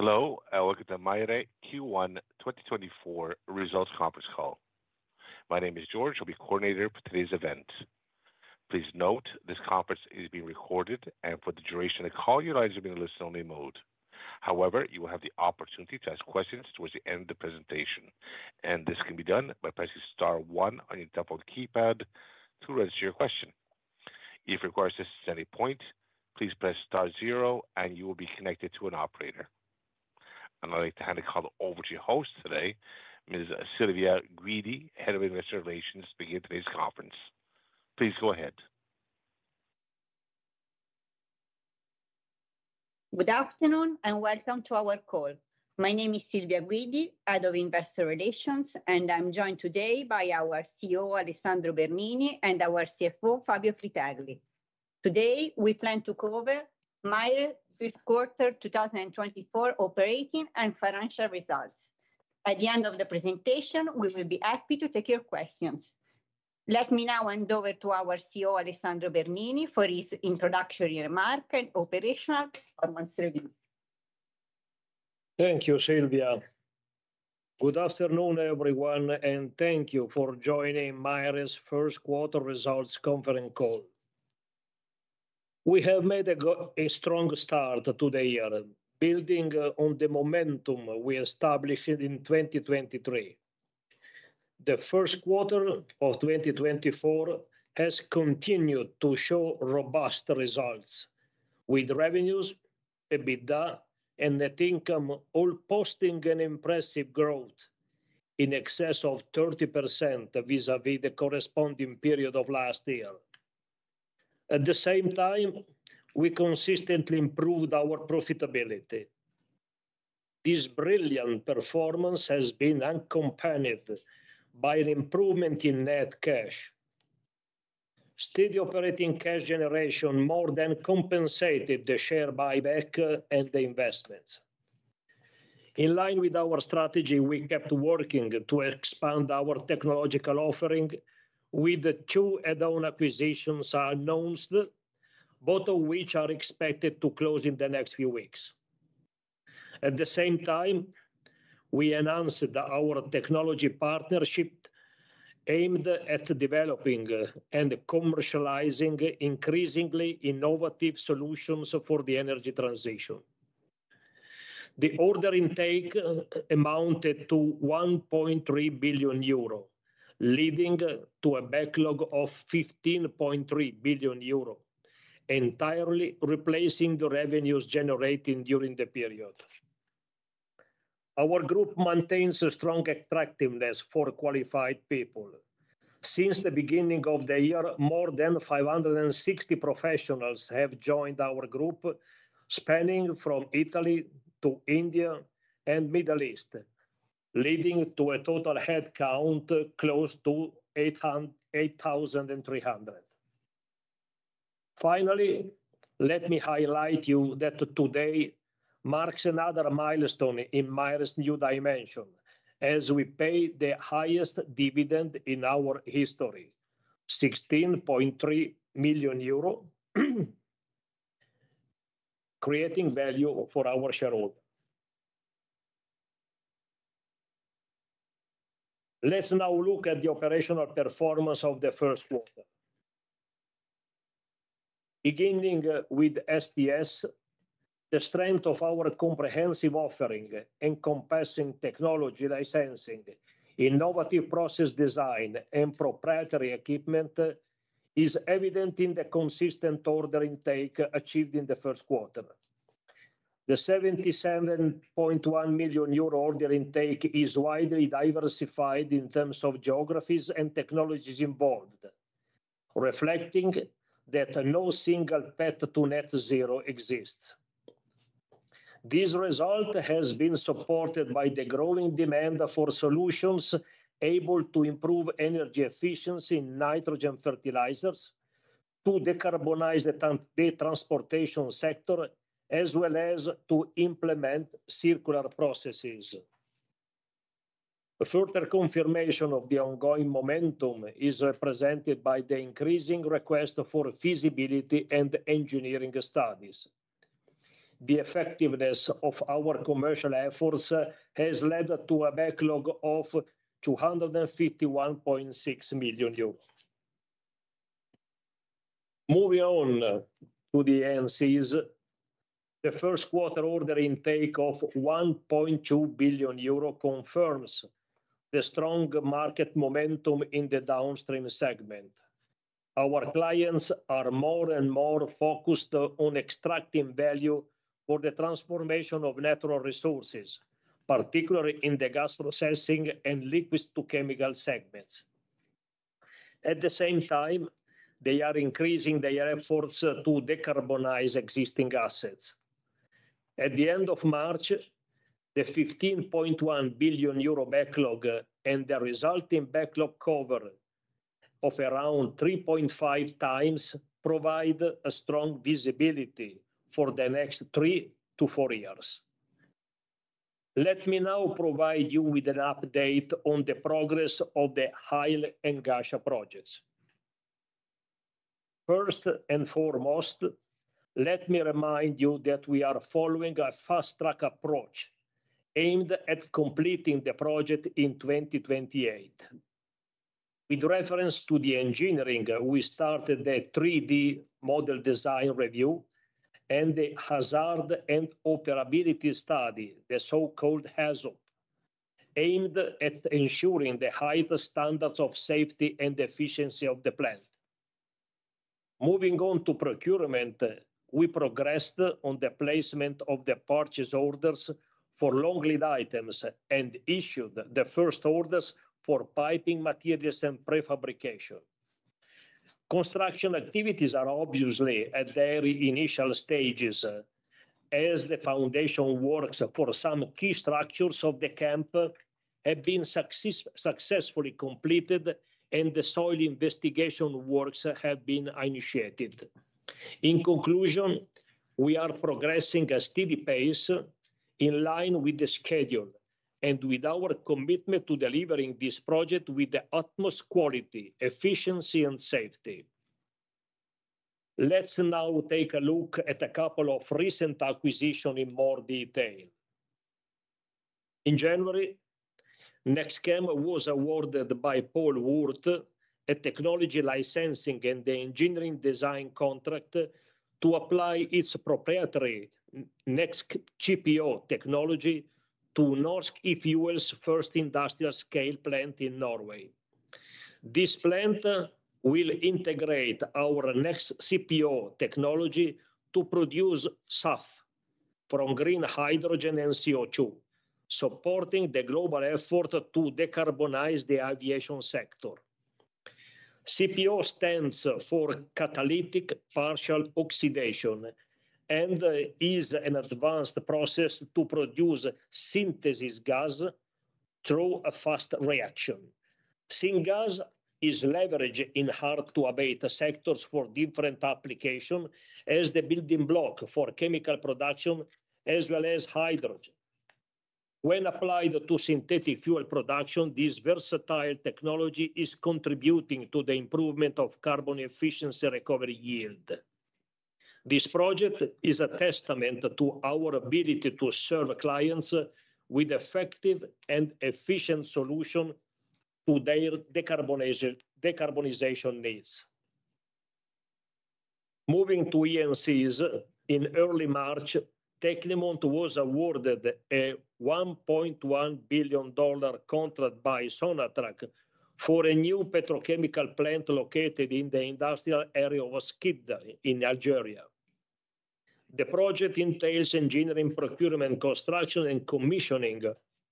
Hello, and welcome to the MAIRE Q1 2024 Results conference call. My name is George. I'll be coordinator for today's event. Please note this conference is being recorded, and for the duration of the call, you'll need to be in a listen-only mode. However, you will have the opportunity to ask questions towards the end of the presentation, and this can be done by pressing star one on your default keypad to register your question. If you require assistance at any point, please press star zero, and you will be connected to an operator. I'd like to hand the call over to your host today, Ms. Silvia Guidi, Head of Investor Relations, to begin today's conference. Please go ahead. Good afternoon and welcome to our call. My name is Silvia Guidi, Head of Investor Relations, and I'm joined today by our CEO Alessandro Bernini and our CFO Fabio Fritelli. Today we plan to cover MAIRE this quarter 2024 operating and financial results. At the end of the presentation, we will be happy to take your questions. Let me now hand over to our CEO Alessandro Bernini for his introductory remark and operational performance review. Thank you, Silvia. Good afternoon, everyone, and thank you for joining MAIRE's Q1 results conference call. We have made a good, a strong start to the year, building on the momentum we established in 2023. The Q1 of 2024 has continued to show robust results, with revenues, EBITDA, and net income all posting an impressive growth in excess of 30% vis-à-vis the corresponding period of last year. At the same time, we consistently improved our profitability. This brilliant performance has been accompanied by an improvement in net cash. Steady operating cash generation more than compensated the share buyback and the investments. In line with our strategy, we kept working to expand our technological offering, with two add-on acquisitions announced, both of which are expected to close in the next few weeks. At the same time, we announced our technology partnership aimed at developing and commercializing increasingly innovative solutions for the energy transition. The order intake amounted to 1.3 billion euro, leading to a backlog of 15.3 billion euro, entirely replacing the revenues generated during the period. Our group maintains strong attractiveness for qualified people. Since the beginning of the year, more than 560 professionals have joined our group, spanning from Italy to India and the Middle East, leading to a total headcount close to 8,300. Finally, let me highlight that today marks another milestone in MAIRE's new dimension, as we pay the highest dividend in our history, 16.3 million euro, creating value for our shareholder. Let's now look at the operational performance of the first quarter. Beginning with STS, the strength of our comprehensive offering encompassing technology licensing, innovative process design, and proprietary equipment is evident in the consistent order intake achieved in the first quarter. The 77.1 million euro order intake is widely diversified in terms of geographies and technologies involved, reflecting that no single path to net zero exists. This result has been supported by the growing demand for solutions able to improve energy efficiency in nitrogen fertilizers, to decarbonize the transportation sector, as well as to implement circular processes. Further confirmation of the ongoing momentum is represented by the increasing request for feasibility and engineering studies. The effectiveness of our commercial efforts has led to a backlog of 251.6 million euros. Moving on to the E&Cs, the Q1 order intake of 1.2 billion euro confirms the strong market momentum in the downstream segment. Our clients are more and more focused on extracting value for the transformation of natural resources, particularly in the gas processing and liquids-to-chemical segments. At the same time, they are increasing their efforts to decarbonize existing assets. At the end of March, the 15.1 billion euro backlog and the resulting backlog cover of around 3.5 times provide a strong visibility for the next three to four years. Let me now provide you with an update on the progress of the Hail and Ghasha projects. First and foremost, let me remind you that we are following a fast-track approach aimed at completing the project in 2028. With reference to the engineering, we started the 3D model design review and the hazard and operability study, the so-called HAZOP, aimed at ensuring the highest standards of safety and efficiency of the plant. Moving on to procurement, we progressed on the placement of the purchase orders for long lead items and issued the first orders for piping materials and prefabrication. Construction activities are obviously at their initial stages, as the foundation works for some key structures of the camp have been successfully completed and the soil investigation works have been initiated. In conclusion, we are progressing at a steady pace in line with the schedule and with our commitment to delivering this project with the utmost quality, efficiency, and safety. Let's now take a look at a couple of recent acquisitions in more detail. In January, NextChem was awarded by Paul Wurth a technology licensing and the engineering design contract to apply its proprietary NX CPO technology to Norsk e-Fuel's first industrial-scale plant in Norway. This plant will integrate our NX CPO technology to produce SAF from green hydrogen and CO2, supporting the global effort to decarbonize the aviation sector. CPO stands for catalytic partial oxidation and is an advanced process to produce synthesis gas through a fast reaction. Syngas is leveraged in hard-to-abate sectors for different applications as the building block for chemical production as well as hydrogen. When applied to synthetic fuel production, this versatile technology is contributing to the improvement of carbon efficiency recovery yield. This project is a testament to our ability to serve clients with effective and efficient solutions to their decarbonization needs. Moving to E&Cs, in early March, Tecnimont was awarded a $1.1 billion contract by Sonatrach for a new petrochemical plant located in the industrial area of Skikda in Algeria. The project entails engineering, procurement, construction, and commissioning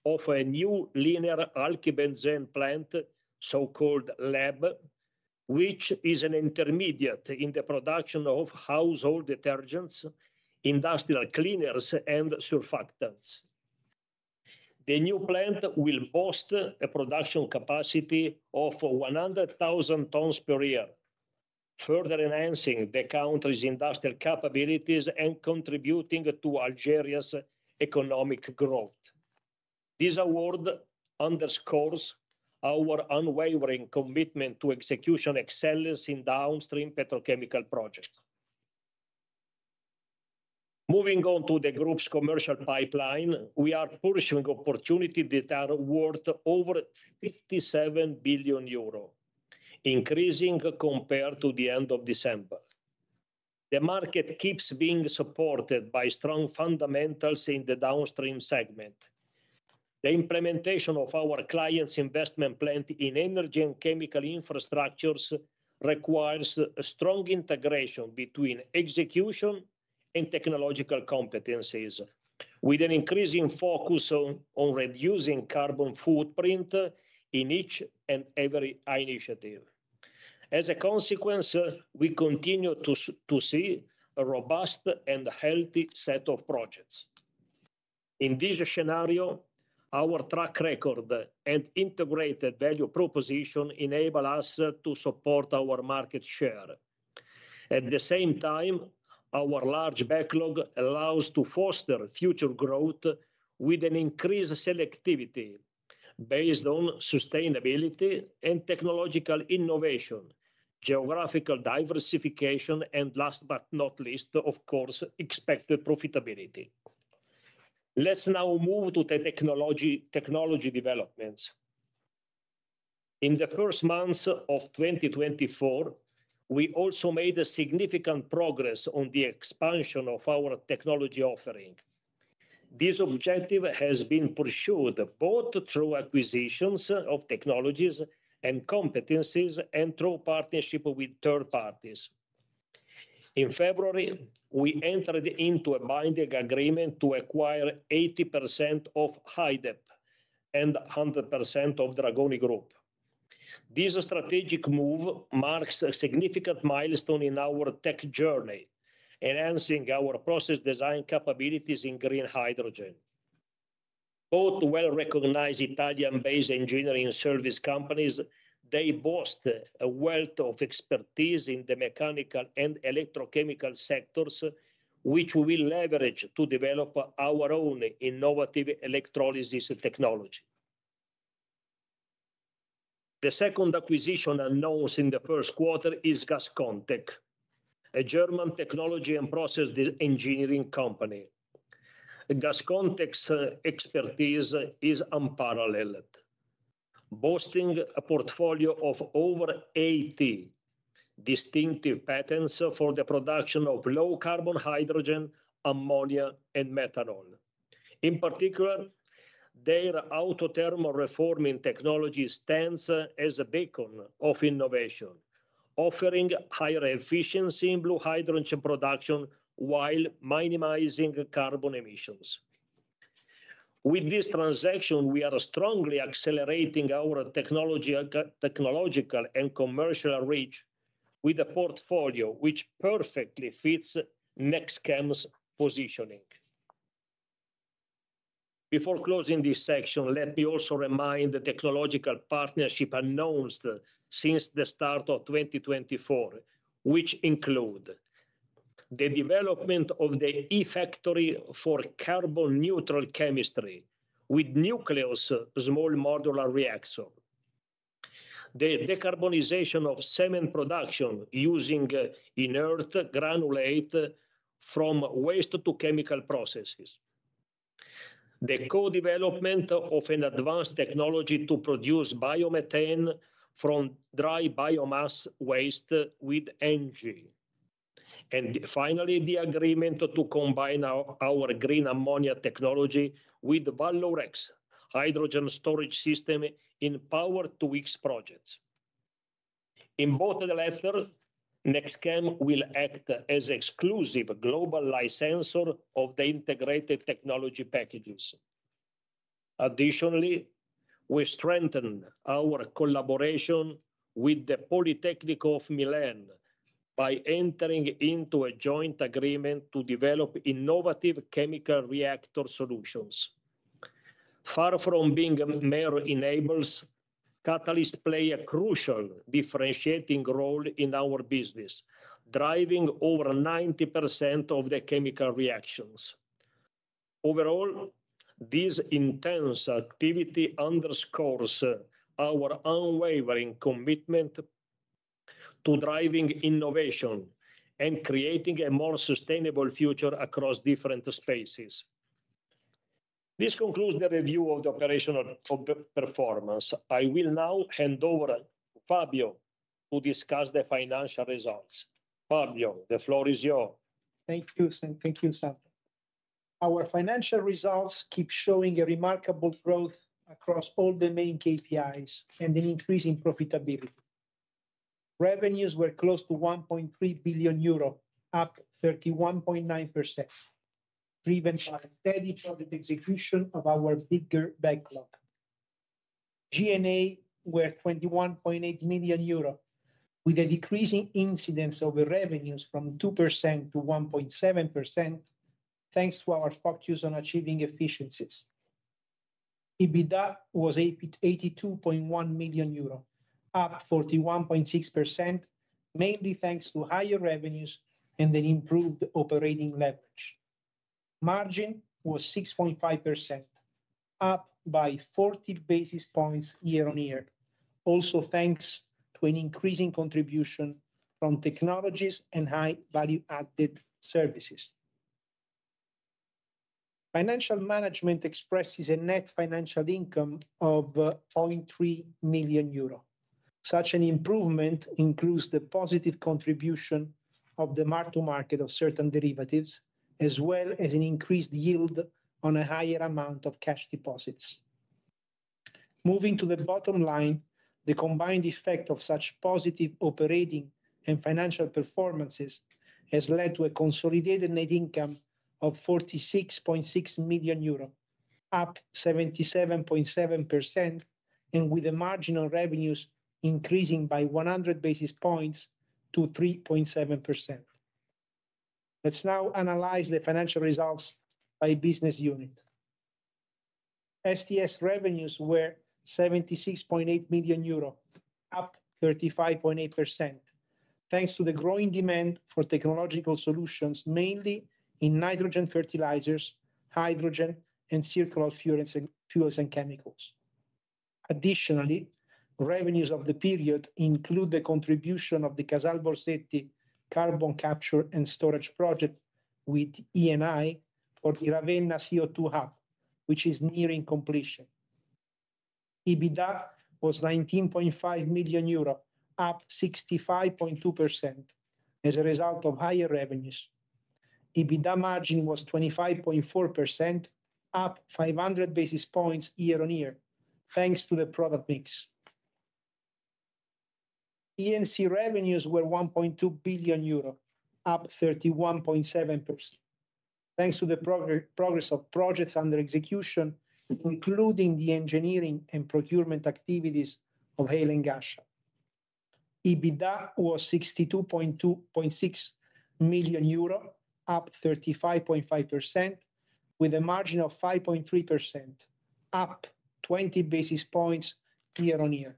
of a new linear alkylbenzene plant, so-called LAB, which is an intermediate in the production of household detergents, industrial cleaners, and surfactants. The new plant will boast a production capacity of 100,000 tons per year, further enhancing the country's industrial capabilities and contributing to Algeria's economic growth. This award underscores our unwavering commitment to execution excellence in downstream petrochemical projects. Moving on to the group's commercial pipeline, we are pursuing opportunities that are worth over 57 billion euro, increasing compared to the end of December. The market keeps being supported by strong fundamentals in the downstream segment. The implementation of our client's investment plant in energy and chemical infrastructures requires strong integration between execution and technological competencies, with an increasing focus on reducing carbon footprint in each and every initiative. As a consequence, we continue to see a robust and healthy set of projects. In this scenario, our track record and integrated value proposition enable us to support our market share. At the same time, our large backlog allows us to foster future growth with an increased selectivity based on sustainability and technological innovation, geographical diversification, and last but not least, of course, expected profitability. Let's now move to the technology developments. In the first months of 2024, we also made significant progress on the expansion of our technology offering. This objective has been pursued both through acquisitions of technologies and competencies and through partnerships with third parties. In February, we entered into a binding agreement to acquire 80% of HyDEP and 100% of Dragoni Group. This strategic move marks a significant milestone in our tech journey, enhancing our process design capabilities in green hydrogen. Both well-recognized Italian-based engineering service companies, they boast a wealth of expertise in the mechanical and electrochemical sectors, which we will leverage to develop our own innovative electrolysis technology. The second acquisition announced in the Q1 is GasConTec, a German technology and process engineering company. GasConTec's expertise is unparalleled, boasting a portfolio of over 80 distinctive patents for the production of low-carbon hydrogen, ammonia, and methanol. In particular, their Autothermal Reforming Technology stands as a beacon of innovation, offering higher efficiency in blue hydrogen production while minimizing carbon emissions. With this transaction, we are strongly accelerating our technological and commercial reach with a portfolio which perfectly fits NextChem's positioning. Before closing this section, let me also remind the technological partnership announced since the start of 2024, which includes the development of the E-Factory for carbon-neutral chemistry with NuScale Small Modular Reactor, the decarbonization of cement production using inert granulate from waste-to-chemical processes, the co-development of an advanced technology to produce biomethane from dry biomass waste with ENGIE, and finally, the agreement to combine our green ammonia technology with Vallourec hydrogen storage system in Power-to-X projects. In both the latter, NextChem will act as an exclusive global licensor of the integrated technology packages. Additionally, we strengthen our collaboration with the Politecnico di Milano by entering into a joint agreement to develop innovative chemical reactor solutions. Far from being mere enablers, catalysts play a crucial differentiating role in our business, driving over 90% of the chemical reactions. Overall, this intense activity underscores our unwavering commitment to driving innovation and creating a more sustainable future across different spaces. This concludes the review of the operational performance. I will now hand over to Fabio to discuss the financial results. Fabio, the floor is yours. Thank you. Thank you, Alessandro. Our financial results keep showing a remarkable growth across all the main KPIs and an increase in profitability. Revenues were close to 1.3 billion euro, up 31.9%, driven by steady project execution of our bigger backlog. G&A were 21.8 million euro, with a decreasing incidence of revenues from 2% to 1.7% thanks to our focus on achieving efficiencies. EBITDA was 82.1 million euro, up 41.6%, mainly thanks to higher revenues and an improved operating leverage. Margin was 6.5%, up by 40 basis points year-over-year, also thanks to an increasing contribution from technologies and high-value-added services. Financial management expresses a net financial income of 0.3 million euro. Such an improvement includes the positive contribution of the mark-to-market of certain derivatives, as well as an increased yield on a higher amount of cash deposits. Moving to the bottom line, the combined effect of such positive operating and financial performances has led to a consolidated net income of 46.6 million euro, up 77.7%, and with the marginal revenues increasing by 100 basis points to 3.7%. Let's now analyze the financial results by business unit. STS revenues were 76.8 million euro, up 35.8%, thanks to the growing demand for technological solutions, mainly in nitrogen fertilizers, hydrogen, and circular fuels and chemicals. Additionally, revenues of the period include the contribution of the Casal Borsetti carbon capture and storage project with Eni for the Ravenna CO2 hub, which is nearing completion. EBITDA was 19.5 million euro, up 65.2%, as a result of higher revenues. EBITDA margin was 25.4%, up 500 basis points year-on-year, thanks to the product mix. E&C revenues were 1.2 billion euro, up 31.7%, thanks to the progress of projects under execution, including the engineering and procurement activities of Hail and Ghasha. EBITDA was 62.6 million euro, up 35.5%, with a margin of 5.3%, up 20 basis points year-on-year.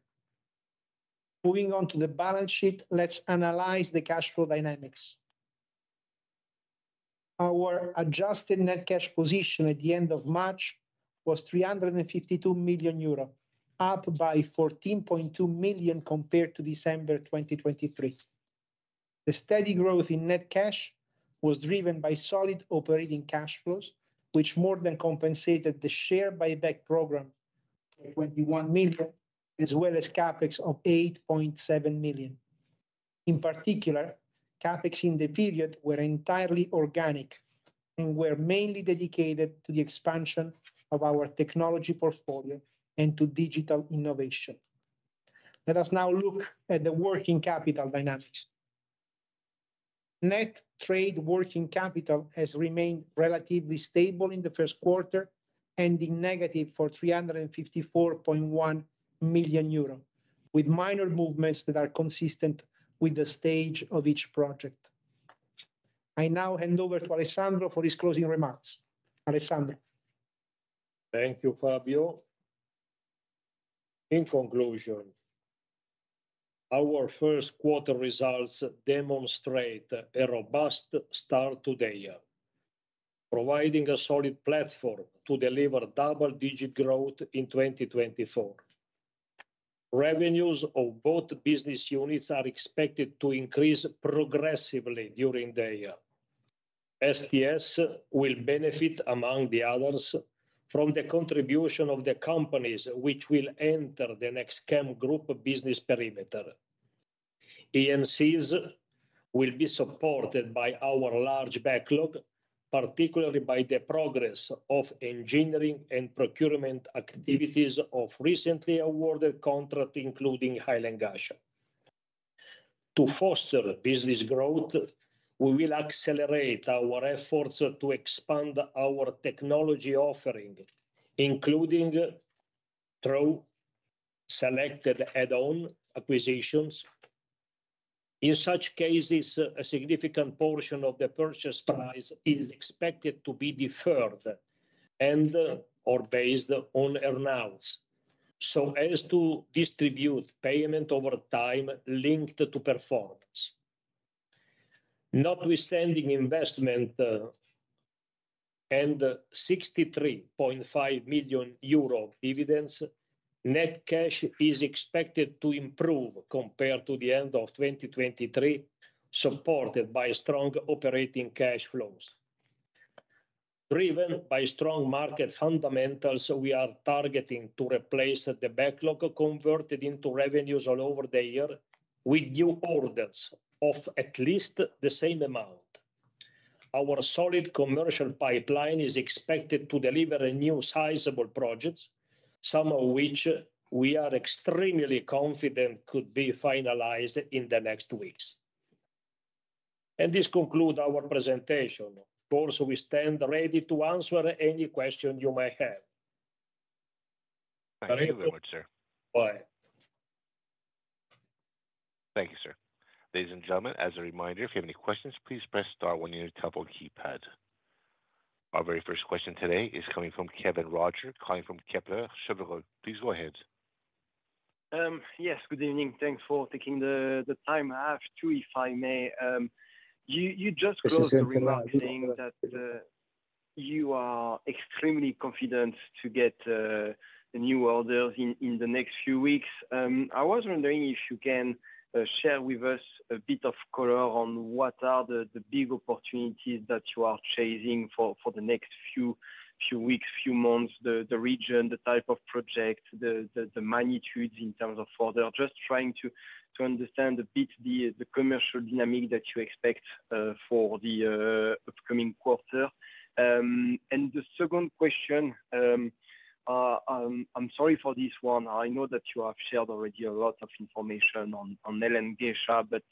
Moving on to the balance sheet, let's analyze the cash flow dynamics. Our adjusted net cash position at the end of March was 352 million euro, up by 14.2 million compared to December 2023. The steady growth in net cash was driven by solid operating cash flows, which more than compensated the share-buyback program for 21 million, as well as CapEx of 8.7 million. In particular, CapEx in the period was entirely organic and was mainly dedicated to the expansion of our technology portfolio and to digital innovation. Let us now look at the working capital dynamics. Net trade working capital has remained relatively stable in the first quarter, ending negative 354.1 million euro, with minor movements that are consistent with the stage of each project. I now hand over to Alessandro for his closing remarks. Alessandro. Thank you, Fabio. In conclusion, our Q1 results demonstrate a robust start to the year, providing a solid platform to deliver double-digit growth in 2024. Revenues of both business units are expected to increase progressively during the year. STS will benefit, among the others, from the contribution of the companies which will enter the NextChem Group business perimeter. E&Cs will be supported by our large backlog, particularly by the progress of engineering and procurement activities of recently awarded contracts, including Hail and Ghasha. To foster business growth, we will accelerate our efforts to expand our technology offering, including through selected add-on acquisitions. In such cases, a significant portion of the purchase price is expected to be deferred and/or based on earn-out, so as to distribute payment over time linked to performance. Notwithstanding investment and 63.5 million euro dividends, net cash is expected to improve compared to the end of 2023, supported by strong operating cash flows. Driven by strong market fundamentals, we are targeting to replace the backlog converted into revenues all over the year with new orders of at least the same amount. Our solid commercial pipeline is expected to deliver new sizable projects, some of which we are extremely confident could be finalized in the next weeks. This concludes our presentation. Of course, we stand ready to answer any question you may have. I believe I would, sir. Go ahead. Thank you, sir. Ladies and gentlemen, as a reminder, if you have any questions, please press star when you're on the touch-tone keypad. Our very first question today is coming from Kevin Roger calling from Kepler Cheuvreux. Please go ahead. Yes, good evening. Thanks for taking the time. I have two, if I may. You just closed the remarks saying that you are extremely confident to get new orders in the next few weeks. I was wondering if you can share with us a bit of color on what are the big opportunities that you are chasing for the next few weeks, few months, the region, the type of project, the magnitudes in terms of order, just trying to understand a bit the commercial dynamic that you expect for the upcoming quarter. And the second question—I'm sorry for this one. I know that you have shared already a lot of information on Hail and Ghasha, but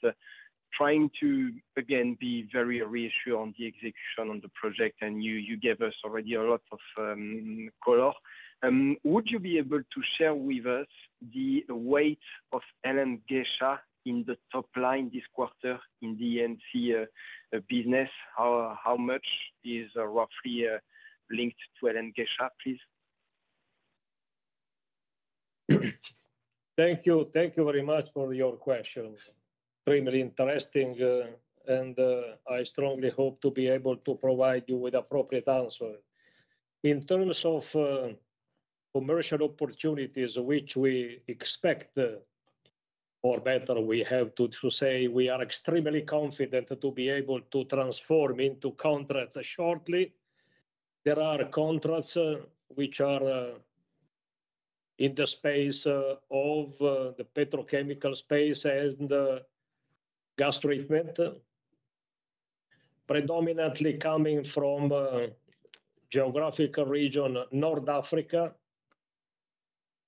trying to, again, be very reassured on the execution on the project, and you gave us already a lot of color. Would you be able to share with us the weight of Hail and Ghasha in the top line this quarter in the E&C business? How much is roughly linked to Hail and Ghasha, please? Thank you. Thank you very much for your question. Extremely interesting, and I strongly hope to be able to provide you with appropriate answers. In terms of commercial opportunities, which we expect, or better, we have to say we are extremely confident to be able to transform into contracts shortly, there are contracts which are in the space of the petrochemical space and gas treatment, predominantly coming from the geographical region North Africa,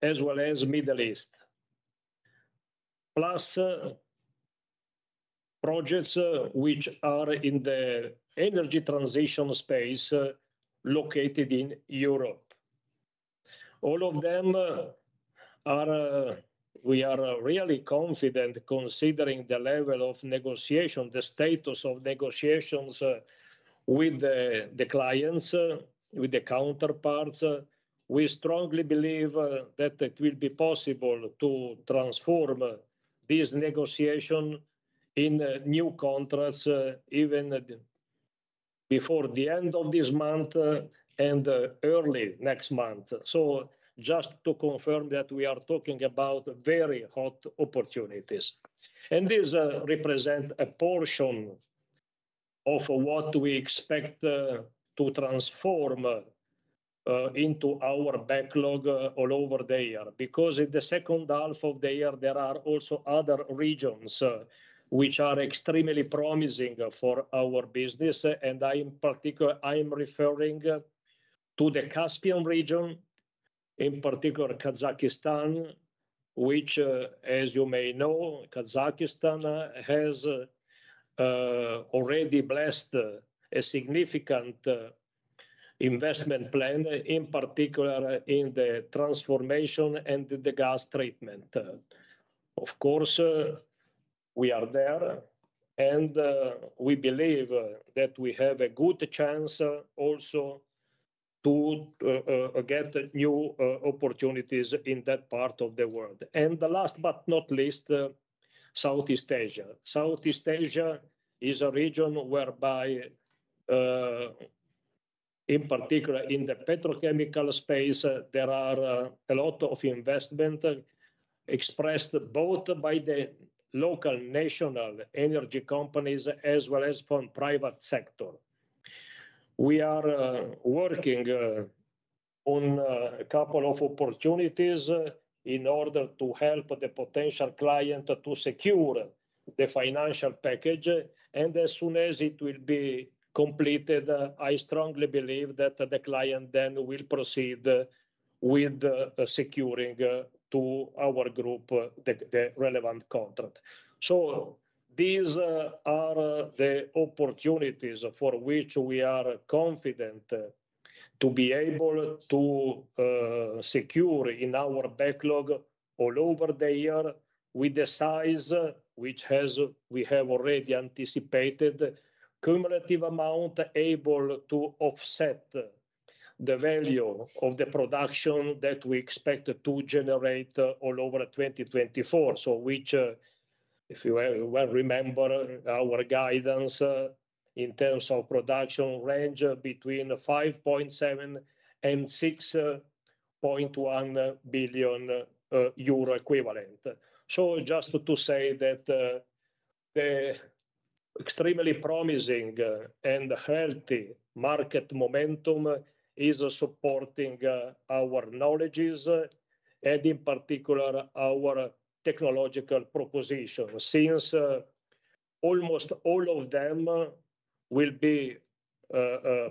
as well as the Middle East, plus projects which are in the energy transition space located in Europe. All of them are, we are really confident considering the level of negotiation, the status of negotiations with the clients, with the counterparts. We strongly believe that it will be possible to transform these negotiations into new contracts even before the end of this month and early next month. So just to confirm that we are talking about very hot opportunities. And these represent a portion of what we expect to transform into our backlog all over the year. Because in the second half of the year, there are also other regions which are extremely promising for our business. In particular, I'm referring to the Caspian region, in particular Kazakhstan, which, as you may know, Kazakhstan has already blessed a significant investment plan, in particular in the transformation and the gas treatment. Of course, we are there, and we believe that we have a good chance also to get new opportunities in that part of the world. Last but not least, Southeast Asia. Southeast Asia is a region whereby, in particular in the petrochemical space, there are a lot of investments expressed both by the local national energy companies as well as from the private sector. We are working on a couple of opportunities in order to help the potential client to secure the financial package. As soon as it will be completed, I strongly believe that the client then will proceed with securing to our group the relevant contract. So these are the opportunities for which we are confident to be able to secure in our backlog all over the year with the size which we have already anticipated, a cumulative amount able to offset the value of the production that we expect to generate all over 2024. So which, if you well remember our guidance in terms of production range between 5.7 billion-6.1 billion euro equivalent. So just to say that the extremely promising and healthy market momentum is supporting our know-how and, in particular, our technological propositions, since almost all of them will be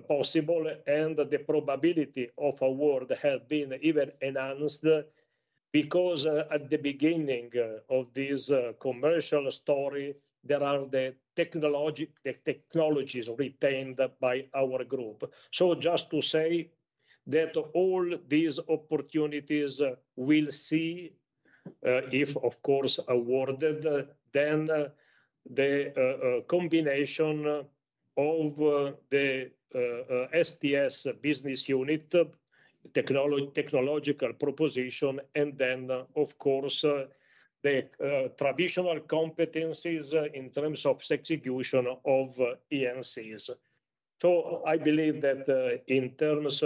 possible and the probability of award has been even enhanced because at the beginning of this commercial story, there are the technologies retained by our group. So just to say that all these opportunities will see, if of course awarded, then the combination of the STS business unit, technological proposition, and then, of course, the traditional competencies in terms of execution of E&Cs. So I believe that in terms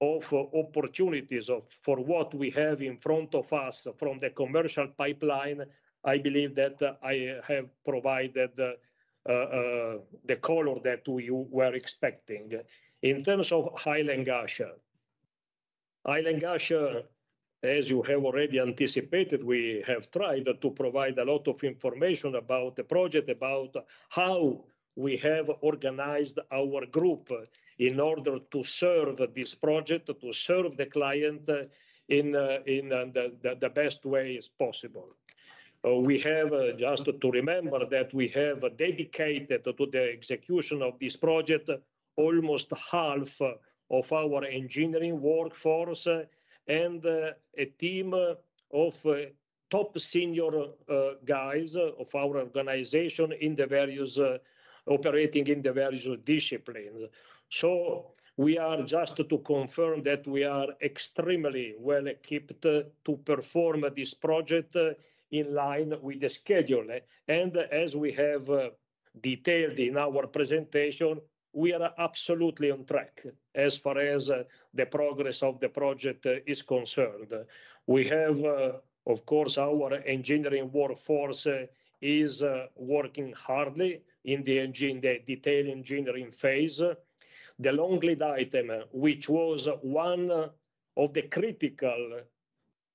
of opportunities for what we have in front of us from the commercial pipeline, I believe that I have provided the color that you were expecting. In terms of Hail and Ghasha, as you have already anticipated, we have tried to provide a lot of information about the project, about how we have organized our group in order to serve this project, to serve the client in the best way as possible. We have, just to remember that we have dedicated to the execution of this project almost half of our engineering workforce and a team of top senior guys of our organization operating in the various disciplines. We are just to confirm that we are extremely well equipped to perform this project in line with the schedule. As we have detailed in our presentation, we are absolutely on track as far as the progress of the project is concerned. We have, of course, our engineering workforce working hard in the detailed engineering phase. The long lead items, which were one of the critical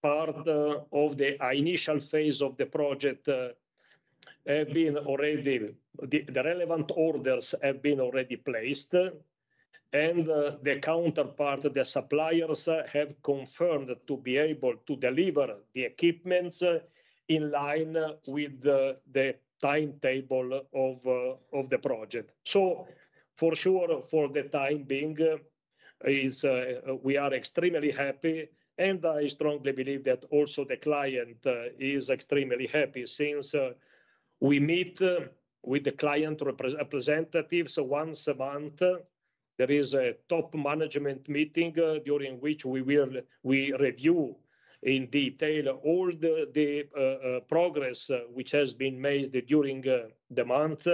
parts of the initial phase of the project, have already been placed, the relevant orders have already been placed. The counterparts, the suppliers, have confirmed to be able to deliver the equipment in line with the timetable of the project. For sure, for the time being, we are extremely happy. I strongly believe that also the client is extremely happy since we meet with the client representatives once a month. There is a top management meeting during which we will review in detail all the progress which has been made during the month.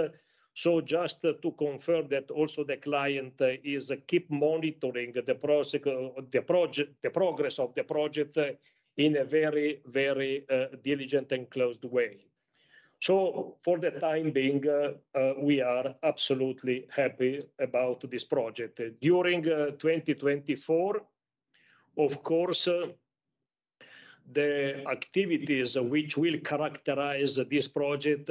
Just to confirm that also the client is keeping monitoring the progress of the project in a very, very diligent and close way. For the time being, we are absolutely happy about this project. During 2024, of course, the activities which will characterize this project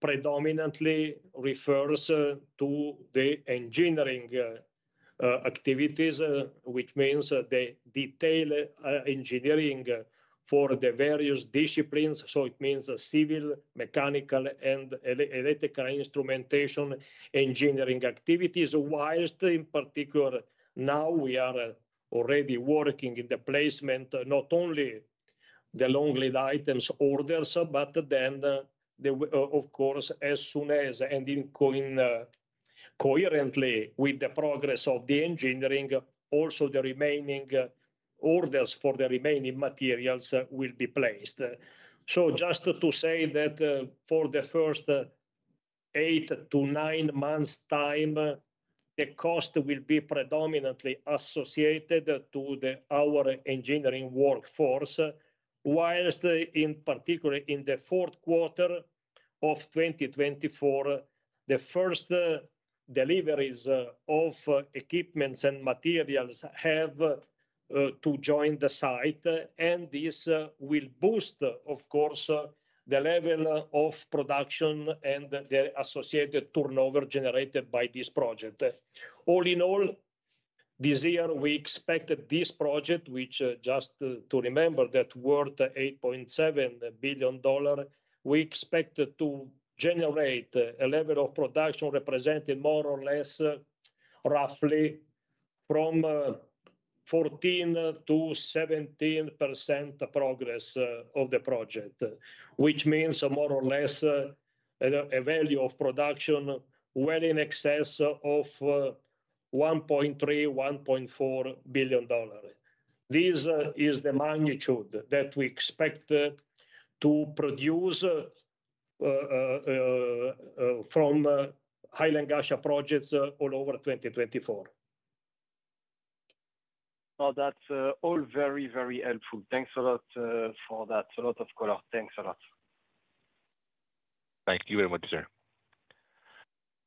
predominantly refer to the engineering activities, which means the detail engineering for the various disciplines. It means civil, mechanical, and electrical instrumentation engineering activities. While in particular now we are already working in the placement not only the long lead items orders, but then the, of course, as soon as and coherently with the progress of the engineering, also the remaining orders for the remaining materials will be placed. So just to say that for the first eight-nine months' time, the cost will be predominantly associated to our engineering workforce. While in particular in the Q4 of 2024, the first deliveries of equipments and materials have to join the site. This will boost, of course, the level of production and the associated turnover generated by this project. All in all, this year we expect this project, which just to remember that worth $8.7 billion, we expect to generate a level of production representing more or less roughly 14%-17% progress of the project, which means more or less a value of production well in excess of $1.3-$1.4 billion. This is the magnitude that we expect to produce from Hail and Ghasha projects all over 2024. Well, that's all very, very helpful. Thanks a lot for that. A lot of color. Thanks a lot. Thank you very much, sir.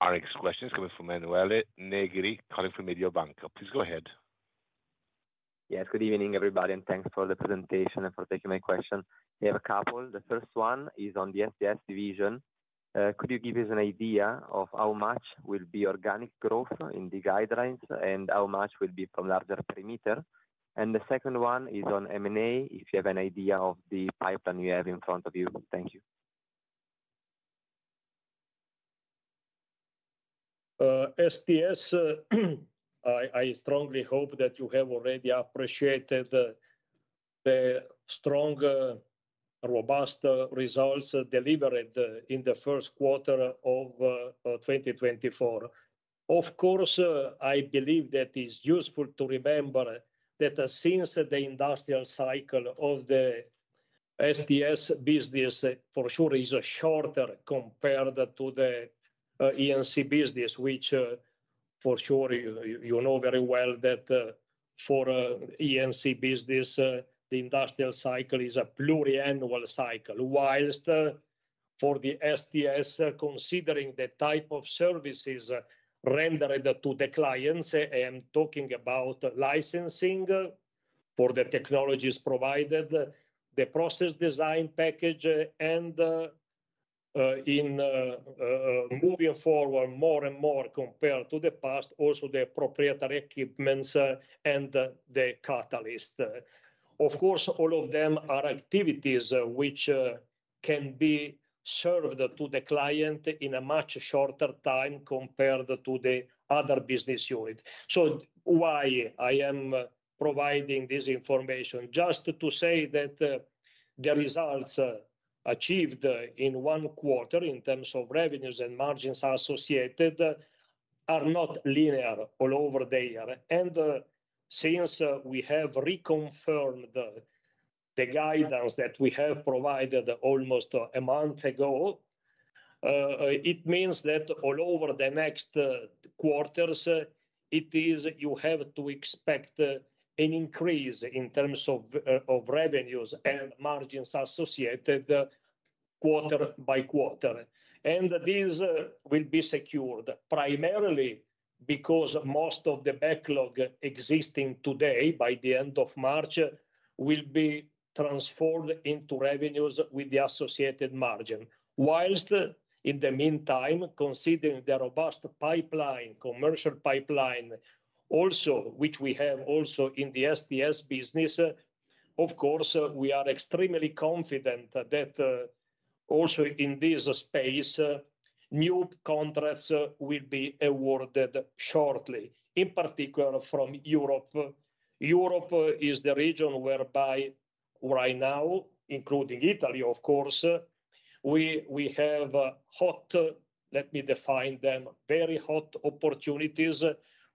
Our next question is coming from Emanuele Negri calling from Mediobanca. Please go ahead. Yes, good evening, everybody. Thanks for the presentation and for taking my question. We have a couple. The first one is on the STS division. Could you give us an idea of how much will be organic growth in the guidelines and how much will be from larger perimeter? And the second one is on M&A, if you have an idea of the pipeline you have in front of you. Thank you. STS, I strongly hope that you have already appreciated the strong, robust results delivered in the Q1 of 2024. Of course, I believe that it's useful to remember that since the industrial cycle of the STS business for sure is shorter compared to the E&C business, which for sure you know very well that for E&C business, the industrial cycle is a pluriannual cycle. While for the SDS, considering the type of services rendered to the clients, I am talking about licensing for the technologies provided, the process design package, and moving forward more and more compared to the past, also the proprietary equipments and the catalyst. Of course, all of them are activities which can be served to the client in a much shorter time compared to the other business unit. So why I am providing this information? Just to say that the results achieved in one quarter in terms of revenues and margins associated are not linear all over the year. Since we have reconfirmed the guidance that we have provided almost a month ago, it means that all over the next quarters you have to expect an increase in terms of revenues and margins associated quarter-by-quarter. This will be secured primarily because most of the backlog existing today by the end of March will be transformed into revenues with the associated margin. While in the meantime, considering the robust pipeline, commercial pipeline also, which we have also in the STS business, of course, we are extremely confident that also in this space new contracts will be awarded shortly, in particular from Europe. Europe is the region whereby right now, including Italy, of course, we have hot, let me define them, very hot opportunities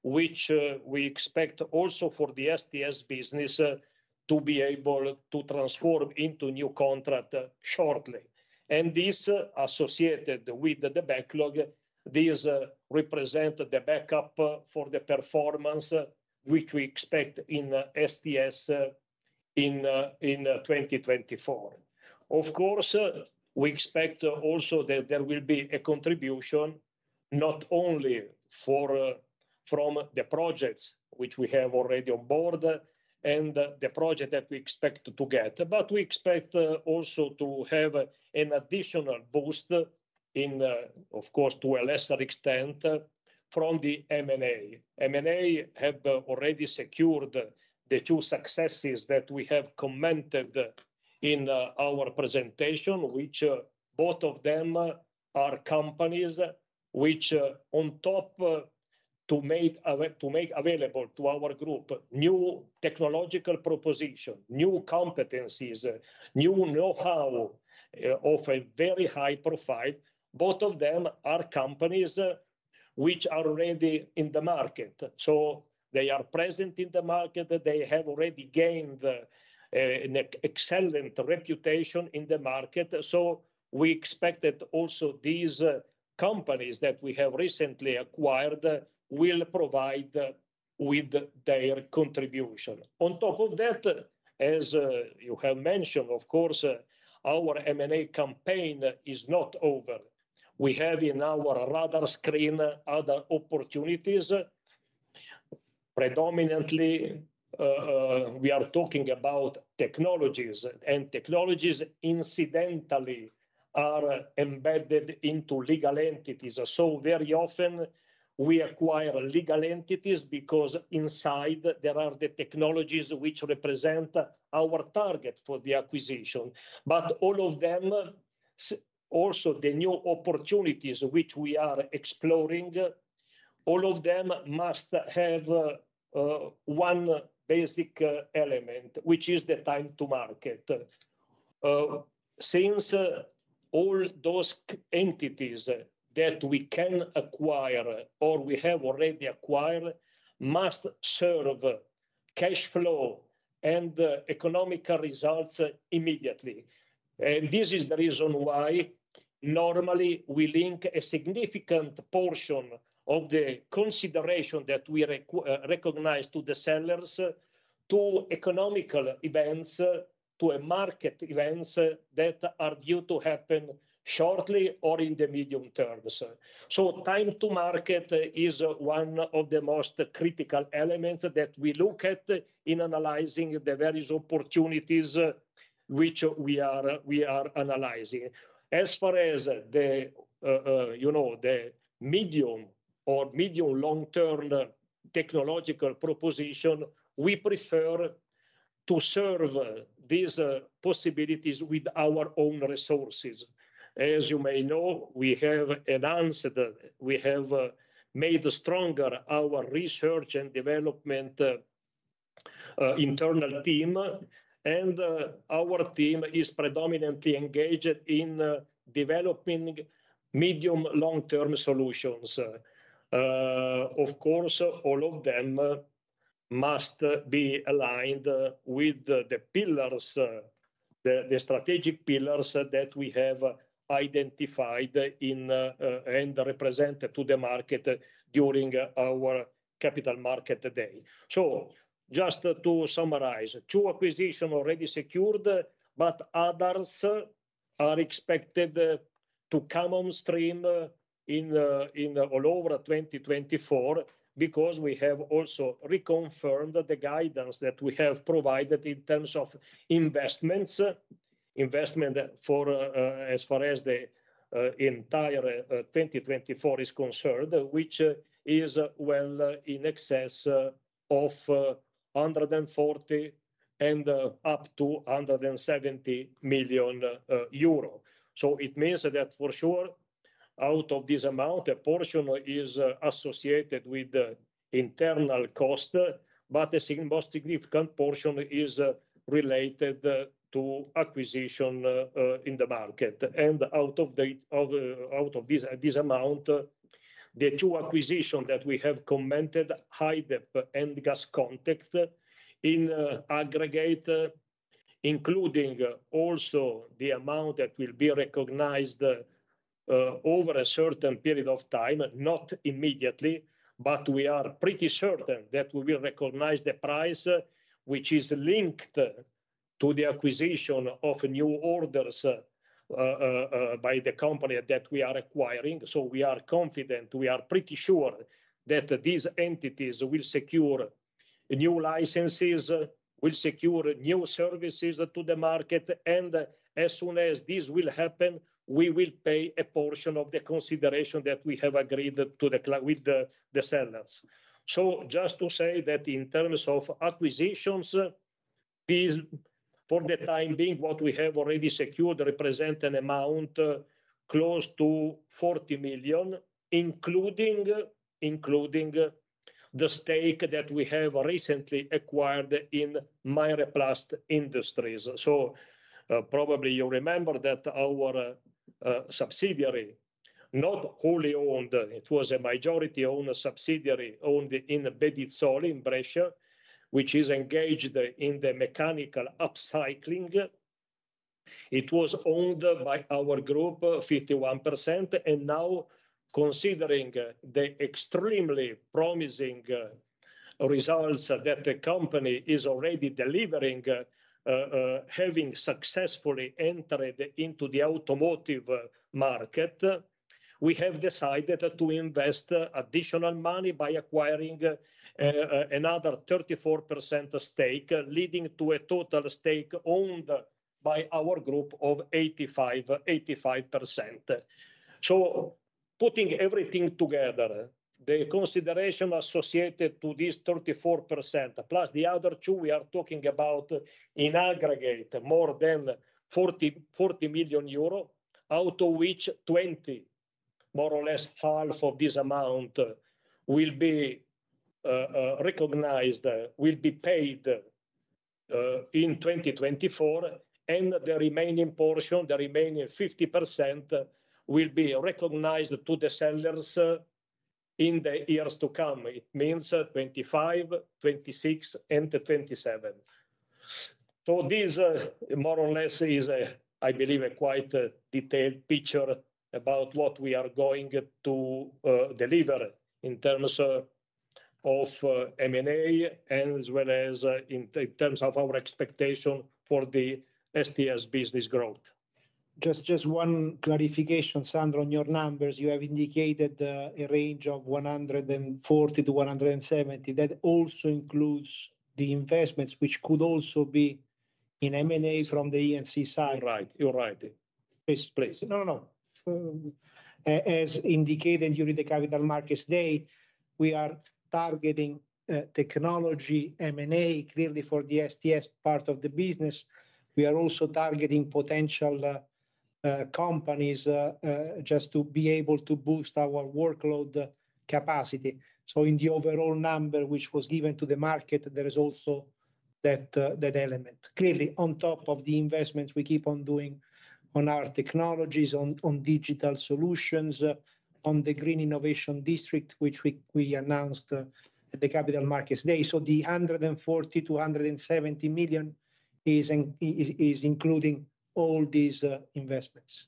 which we expect also for the STS business to be able to transform into new contract shortly. This associated with the backlog, this represents the backup for the performance which we expect in STS in 2024. Of course, we expect also that there will be a contribution not only from the projects which we have already on board and the project that we expect to get, but we expect also to have an additional boost in, of course, to a lesser extent from the M&A. M&A have already secured the two successes that we have commented in our presentation, which both of them are companies which, on top of making available to our group new technological proposition, new competencies, new know-how of a very high profile, both of them are companies which are already in the market. So they are present in the market. They have already gained an excellent reputation in the market. So we expect that also these companies that we have recently acquired will provide with their contribution. On top of that, as you have mentioned, of course, our M&A campaign is not over. We have in our radar screen other opportunities. Predominantly, we are talking about technologies. And technologies incidentally are embedded into legal entities. So very often we acquire legal entities because inside there are the technologies which represent our target for the acquisition. But all of them, also the new opportunities which we are exploring, all of them must have one basic element, which is the time to market. Since all those entities that we can acquire or we have already acquired must serve cash flow and economical results immediately. And this is the reason why normally we link a significant portion of the consideration that we recognize to the sellers to economical events, to market events that are due to happen shortly or in the medium terms. So time to market is one of the most critical elements that we look at in analyzing the various opportunities which we are analyzing. As far as the, you know, the medium or medium-long-term technological proposition, we prefer to serve these possibilities with our own resources. As you may know, we have enhanced—we have made stronger our research and development internal team. Our team is predominantly engaged in developing medium-long-term solutions. Of course, all of them must be aligned with the pillars, the strategic pillars that we have identified and represented to the market during our capital market day. So just to summarize, two acquisitions already secured, but others are expected to come on stream in all over 2024 because we have also reconfirmed the guidance that we have provided in terms of investments as far as the entire 2024 is concerned, which is well in excess of 140 million and up to 170 million euro. So it means that for sure out of this amount, a portion is associated with internal cost, but a most significant portion is related to acquisition in the market. And out of this amount, the two acquisitions that we have commented, HyDEP and GasConTec, in aggregate, including also the amount that will be recognized over a certain period of time, not immediately, but we are pretty certain that we will recognize the price which is linked to the acquisition of new orders by the company that we are acquiring. So we are confident, we are pretty sure that these entities will secure new licenses, will secure new services to the market. And as soon as this will happen, we will pay a portion of the consideration that we have agreed with the sellers. So just to say that in terms of acquisitions, for the time being, what we have already secured represents an amount close to 40 million, including the stake that we have recently acquired in MyReplast Industries. So probably you remember that our subsidiary, not wholly owned—it was a majority-owned subsidiary—owned in Bedizzole in Brescia, which is engaged in the mechanical upcycling. It was owned by our group 51%. Now considering the extremely promising results that the company is already delivering, having successfully entered into the automotive market, we have decided to invest additional money by acquiring another 34% stake, leading to a total stake owned by our group of 85%. Putting everything together, the consideration associated to this 34% plus the other two, we are talking about in aggregate more than 40 million euro, out of which 20 million, more or less half of this amount, will be recognized, will be paid in 2024. The remaining portion, the remaining 50%, will be recognized to the sellers in the years to come. It means 2025, 2026, and 2027. So this, more or less, is, I believe, a quite detailed picture about what we are going to deliver in terms of M&A as well as in terms of our expectation for the STS business growth. Just one clarification, Sandro. On your numbers, you have indicated a range of 140-170. That also includes the investments which could also be in M&A from the E&C side. You're right. You're right. Please, please. No, no, no. As indicated during the Capital Markets Day, we are targeting technology M&A clearly for the STS part of the business. We are also targeting potential companies just to be able to boost our workload capacity. So in the overall number which was given to the market, there is also that element. Clearly, on top of the investments we keep on doing on our technologies, on digital solutions, on the Green Innovation District which we announced at the capital markets day. So the 140 million-170 million is including all these investments.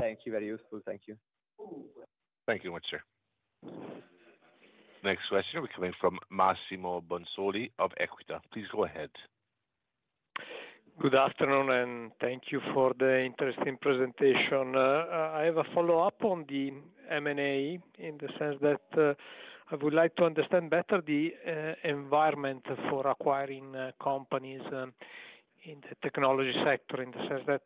Thank you. Very useful. Thank you. Thank you very much, sir. Next question will be coming from Massimo Bonisoli of Equita. Please go ahead. Good afternoon. And thank you for the interesting presentation. I have a follow-up on the M&A in the sense that I would like to understand better the environment for acquiring companies in the technology sector in the sense that,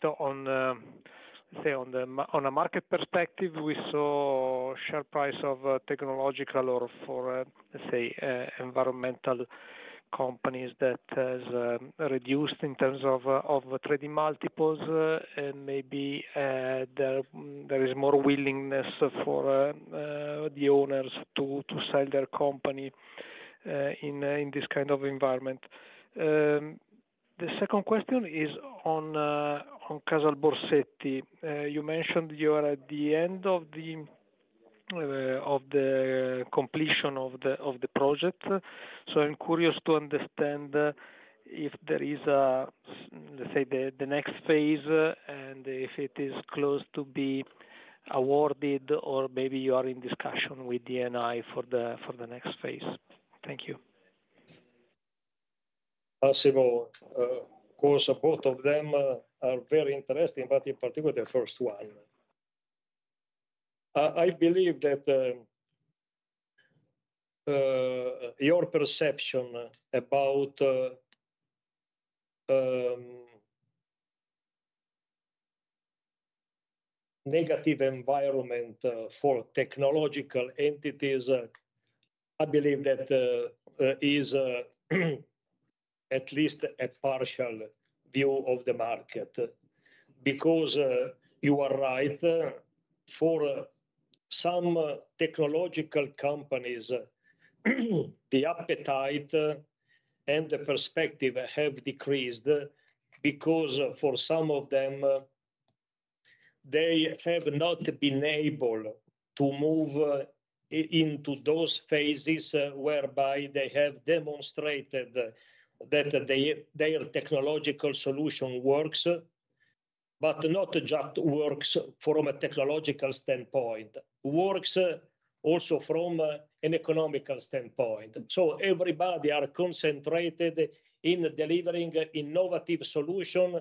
let's say, on a market perspective, we saw share price of technological or for, let's say, environmental companies that has reduced in terms of trading multiples. And maybe there is more willingness for the owners to sell their company in this kind of environment. The second question is on Casal Borsetti. You mentioned you are at the end of the completion of the project. So I'm curious to understand if there is, let's say, the next phase and if it is close to be awarded or maybe you are in discussion with Eni for the next phase. Thank you. Massimo, of course, both of them are very interesting, but in particular, the first one. I believe that your perception about negative environment for technological entities, I believe, that is at least a partial view of the market. Because you are right, for some technological companies, the appetite and the perspective have decreased because for some of them, they have not been able to move into those phases whereby they have demonstrated that their technological solution works, but not just works from a technological standpoint, works also from an economical standpoint. So everybody is concentrated in delivering innovative solutions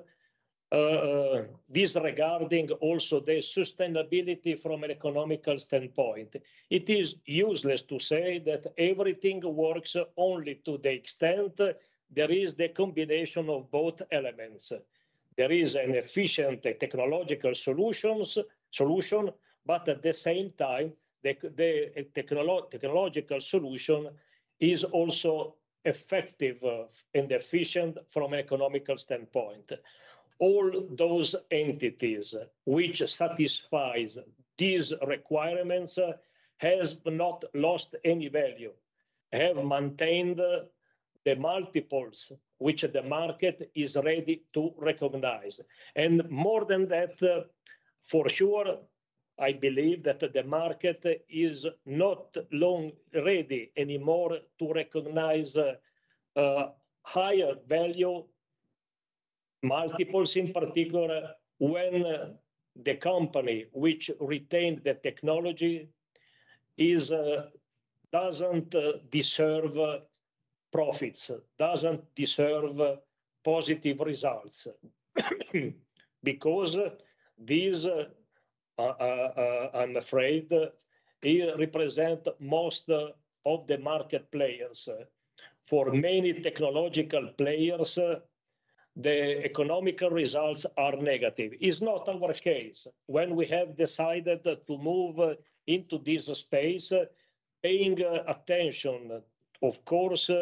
disregarding also the sustainability from an economical standpoint. It is useless to say that everything works only to the extent there is the combination of both elements. There is an efficient technological solution, but at the same time, the technological solution is also effective and efficient from an economical standpoint. All those entities which satisfy these requirements have not lost any value, have maintained the multiples which the market is ready to recognize. And more than that, for sure, I believe that the market is not ready anymore to recognize higher value multiples, in particular, when the company which retained the technology doesn't deserve profits, doesn't deserve positive results. Because these, I'm afraid, represent most of the market players. For many technological players, the economical results are negative. It's not our case. When we have decided to move into this space, paying attention, of course,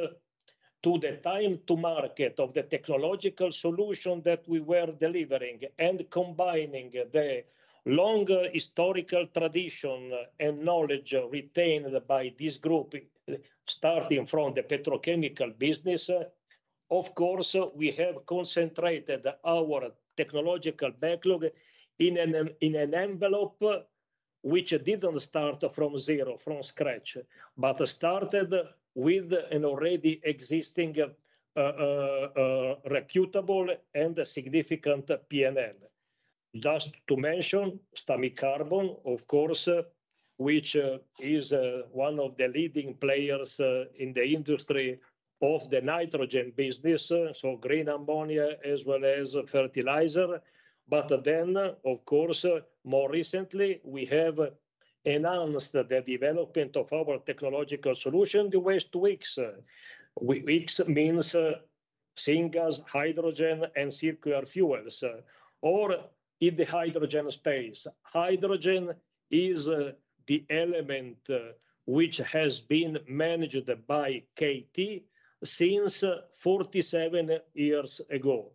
to the time to market of the technological solution that we were delivering and combining the long historical tradition and knowledge retained by this group starting from the petrochemical business, of course, we have concentrated our technological backlog in an envelope which didn't start from zero, from scratch, but started with an already existing reputable and significant P&L. Just to mention Stamicarbon, of course, which is one of the leading players in the industry of the nitrogen business, so green ammonia as well as fertilizer. But then, of course, more recently, we have announced the development of our technological solution, the WHIX. WHIX means Syngas Hydrogen and Circular Fuels. Or in the hydrogen space, hydrogen is the element which has been managed by KT since 47 years ago.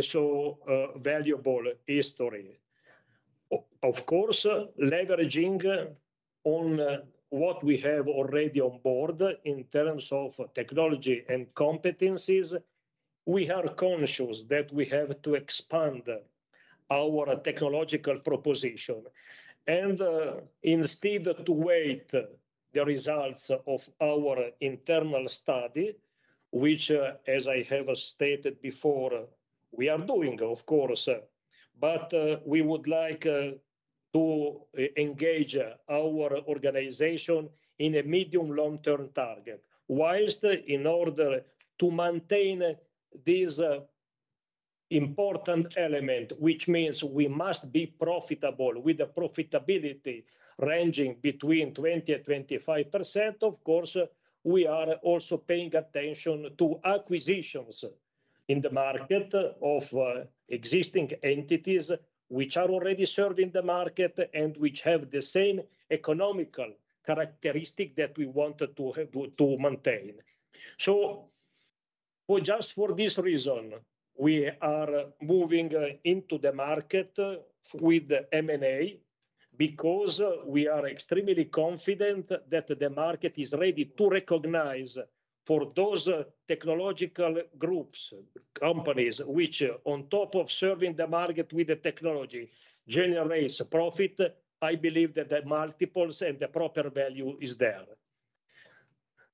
So I believe that not many other entities can manage such a valuable history. Of course, leveraging on what we have already on board in terms of technology and competencies, we are conscious that we have to expand our technological proposition. And instead of waiting for the results of our internal study, which, as I have stated before, we are doing, of course, but we would like to engage our organization in a medium-long-term target whilst in order to maintain this important element, which means we must be profitable with a profitability ranging between 20%-25%, of course, we are also paying attention to acquisitions in the market of existing entities which are already serving the market and which have the same economical characteristic that we want to maintain. So just for this reason, we are moving into the market with M&A because we are extremely confident that the market is ready to recognize for those technological groups, companies which, on top of serving the market with the technology, generate profit. I believe that the multiples and the proper value is there.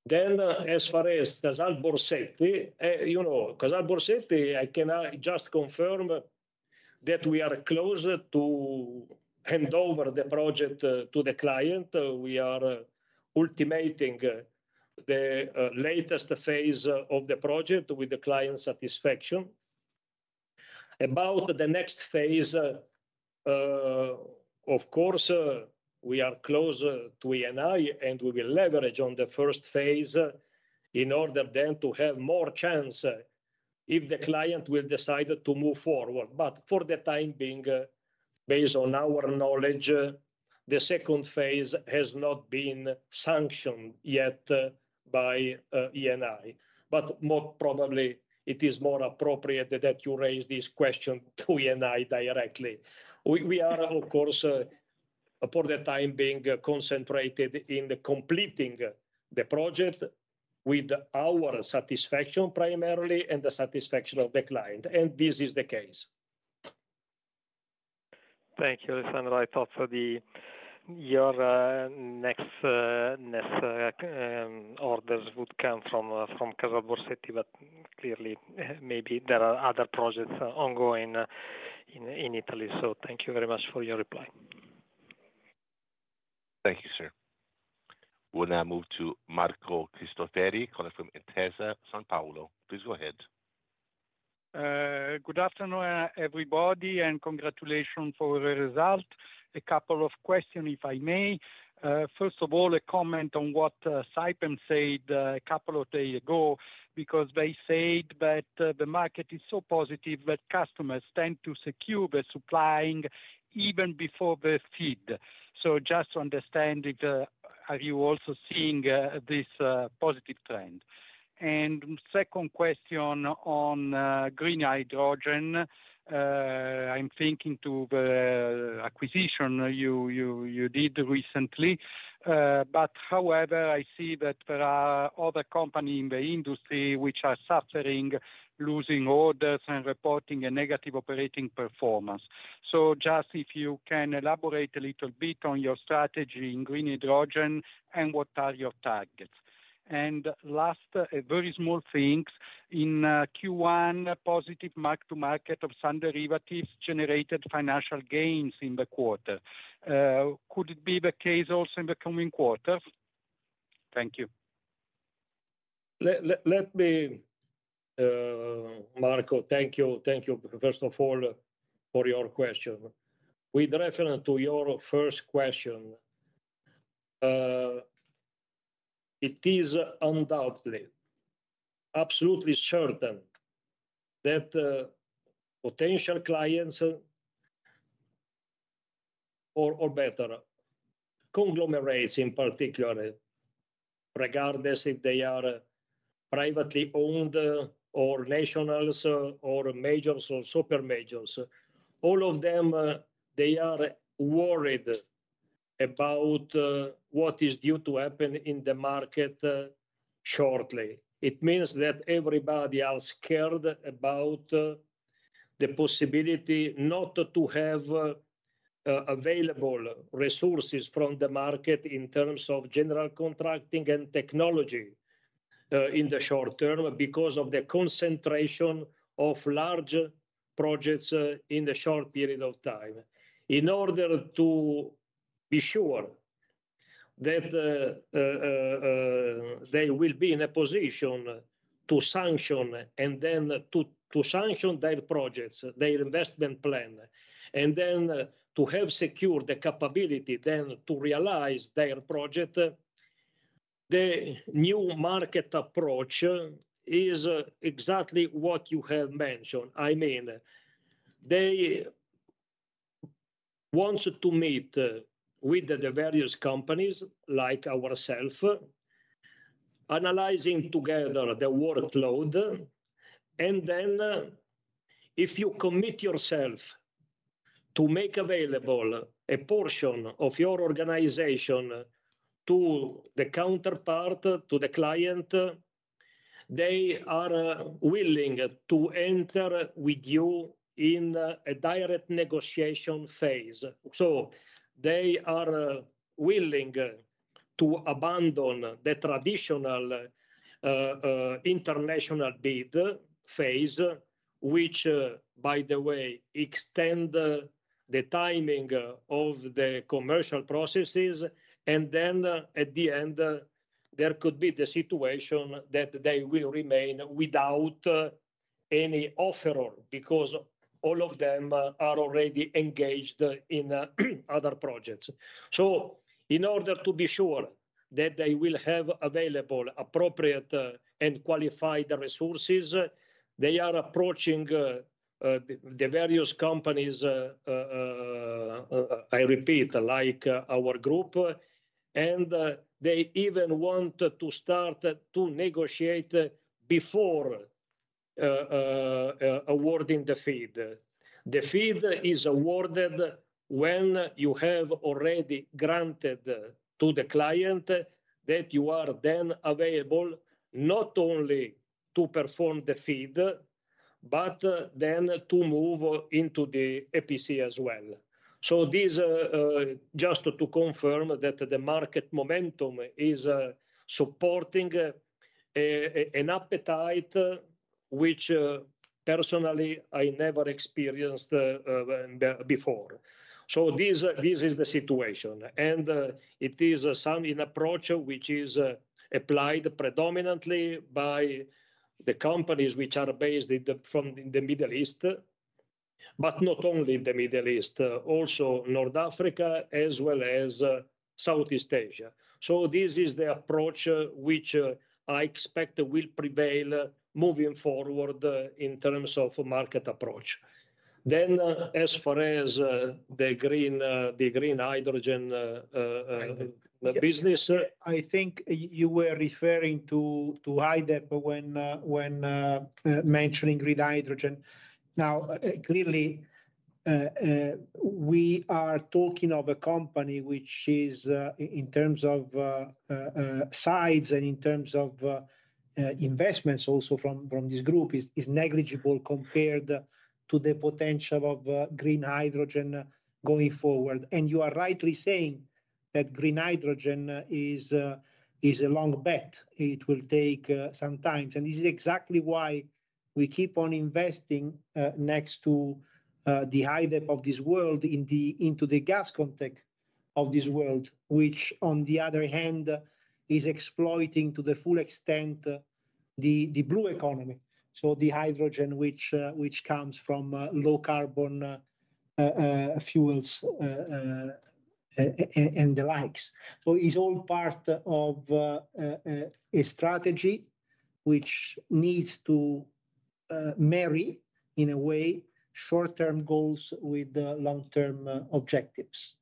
Then as far as Casal Borsetti, you know, Casal Borsetti, I can just confirm that we are close to hand over the project to the client. We are finalizing the latest phase of the project with the client's satisfaction. About the next phase, of course, we are close to Eni, and we will leverage on the first phase in order then to have more chance if the client will decide to move forward. But for the time being, based on our knowledge, the second phase has not been sanctioned yet by Eni. But more probably, it is more appropriate that you raise this question to Eni directly. We are, of course, for the time being, concentrated in completing the project with our satisfaction primarily and the satisfaction of the client. And this is the case. Thank you, Alessandro. I thought your next orders would come from Casal Borsetti, but clearly, maybe there are other projects ongoing in Italy. So thank you very much for your reply. Thank you, sir. We're now moving to Marco Cristofori, calling from Intesa Sanpaolo. Please go ahead. Good afternoon, everybody, and congratulations for the result. A couple of questions, if I may. First of all, a comment on what Saipem said a couple of days ago because they said that the market is so positive that customers tend to secure the supplying even before the FEED. So just to understand if are you also seeing this positive trend? And second question on green hydrogen, I'm thinking to the acquisition you did recently. But however, I see that there are other companies in the industry which are suffering, losing orders, and reporting a negative operating performance. So just if you can elaborate a little bit on your strategy in green hydrogen and what are your targets. And last, a very small thing. In Q1, positive mark-to-market of sun derivatives generated financial gains in the quarter. Could it be the case also in the coming quarters? Thank you. Let me, Marco, thank you. Thank you, first of all, for your question. With reference to your first question, it is undoubtedly, absolutely certain that potential clients or better, conglomerates in particular, regardless if they are privately owned or nationals or majors or super majors, all of them, they are worried about what is due to happen in the market shortly. It means that everybody is scared about the possibility not to have available resources from the market in terms of general contracting and technology in the short term because of the concentration of large projects in a short period of time. In order to be sure that they will be in a position to sanction and then to sanction their projects, their investment plan, and then to have secured the capability then to realize their project, the new market approach is exactly what you have mentioned. I mean, they want to meet with the various companies like ourselves, analyzing together the workload. Then if you commit yourself to make available a portion of your organization to the counterpart, to the client, they are willing to enter with you in a direct negotiation phase. So they are willing to abandon the traditional international bid phase, which, by the way, extends the timing of the commercial processes. And then at the end, there could be the situation that they will remain without any offeror because all of them are already engaged in other projects. So in order to be sure that they will have available appropriate and qualified resources, they are approaching the various companies, I repeat, like our group. And they even want to start to negotiate before awarding the FEED. The FEED is awarded when you have already granted to the client that you are then available not only to perform the FEED but then to move into the EPC as well. So just to confirm that the market momentum is supporting an appetite which personally, I never experienced before. So this is the situation. It is an approach which is applied predominantly by the companies which are based from the Middle East, but not only the Middle East, also North Africa as well as Southeast Asia. So this is the approach which I expect will prevail moving forward in terms of market approach. Then as far as the green hydrogen business. I think you were referring to HyDEP when mentioning green hydrogen. Now, clearly, we are talking of a company which is, in terms of size and in terms of investments also from this group, is negligible compared to the potential of green hydrogen going forward. And you are rightly saying that green hydrogen is a long bet. It will take some time. And this is exactly why we keep on investing next to the HyDEP of this world into the gas context of this world, which, on the other hand, is exploiting to the full extent the blue hydrogen, so the hydrogen which comes from low-carbon fuels and the likes. So it's all part of a strategy which needs to marry, in a way, short-term goals with long-term objectives.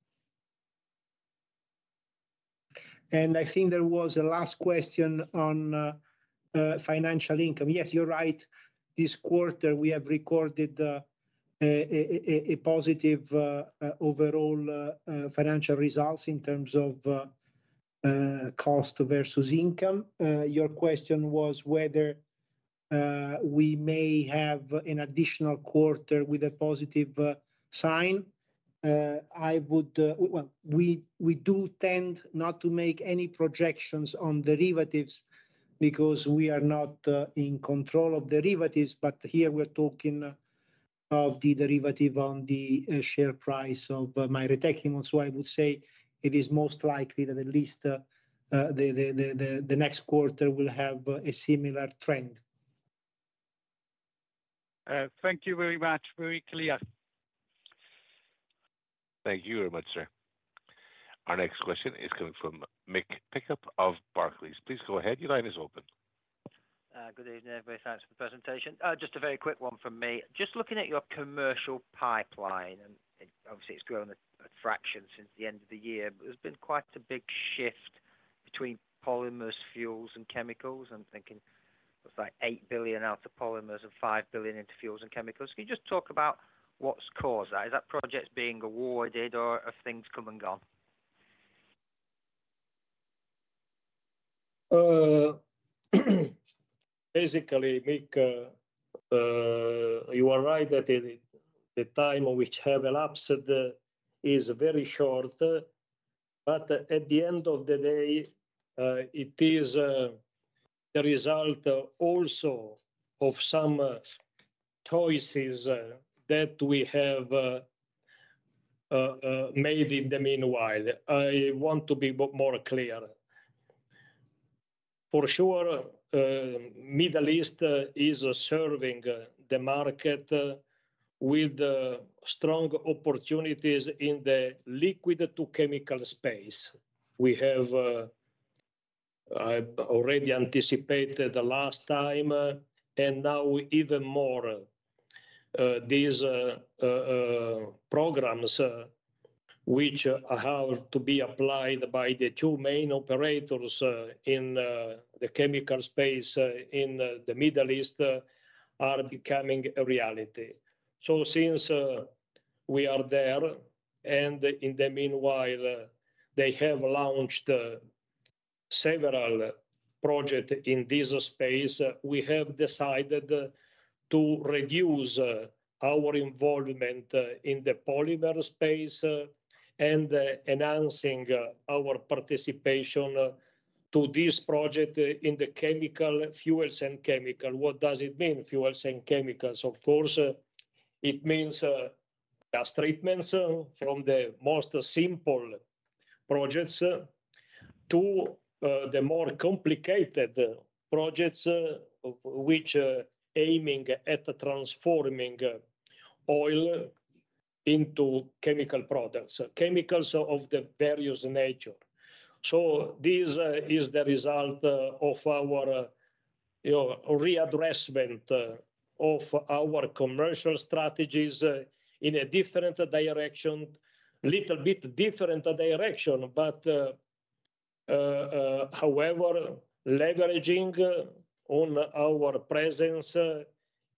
And I think there was a last question on financial income. Yes, you're right. This quarter, we have recorded a positive overall financial results in terms of cost versus income. Your question was whether we may have an additional quarter with a positive sign. Well, we do tend not to make any projections on derivatives because we are not in control of derivatives. But here we're talking of the derivative on the share price of MAIRE Tecnimont. So I would say it is most likely that at least the next quarter will have a similar trend. Thank you very much. Very clear. Thank you very much, sir. Our next question is coming from Mick Pickup of Barclays. Please go ahead. Your line is open. Good evening. Everybody, thanks for the presentation. Just a very quick one from me. Just looking at your commercial pipeline, and obviously, it's grown a fraction since the end of the year, but there's been quite a big shift between polymers fuels and chemicals. I'm thinking it was like $8 billion out to polymers and $5 billion into fuels and chemicals. Can you just talk about what's caused that? Is that projects being awarded or are things come and gone? Basically, Mick, you are right that the time which have elapsed is very short. But at the end of the day, it is the result also of some choices that we have made in the meanwhile. I want to be more clear. For sure, Middle East is serving the market with strong opportunities in the liquid-to-chemical space. We have already anticipated the last time, and now even more. These programs which have to be applied by the two main operators in the chemical space in the Middle East are becoming a reality. So since we are there, and in the meanwhile, they have launched several projects in this space, we have decided to reduce our involvement in the polymer space and enhancing our participation to these projects in the chemical fuels and chemicals. What does it mean, fuels and chemicals? Of course, it means gas treatments from the most simple projects to the more complicated projects which are aiming at transforming oil into chemical products, chemicals of the various nature. So this is the result of our readdressment of our commercial strategies in a different direction, a little bit different direction. However, leveraging on our presence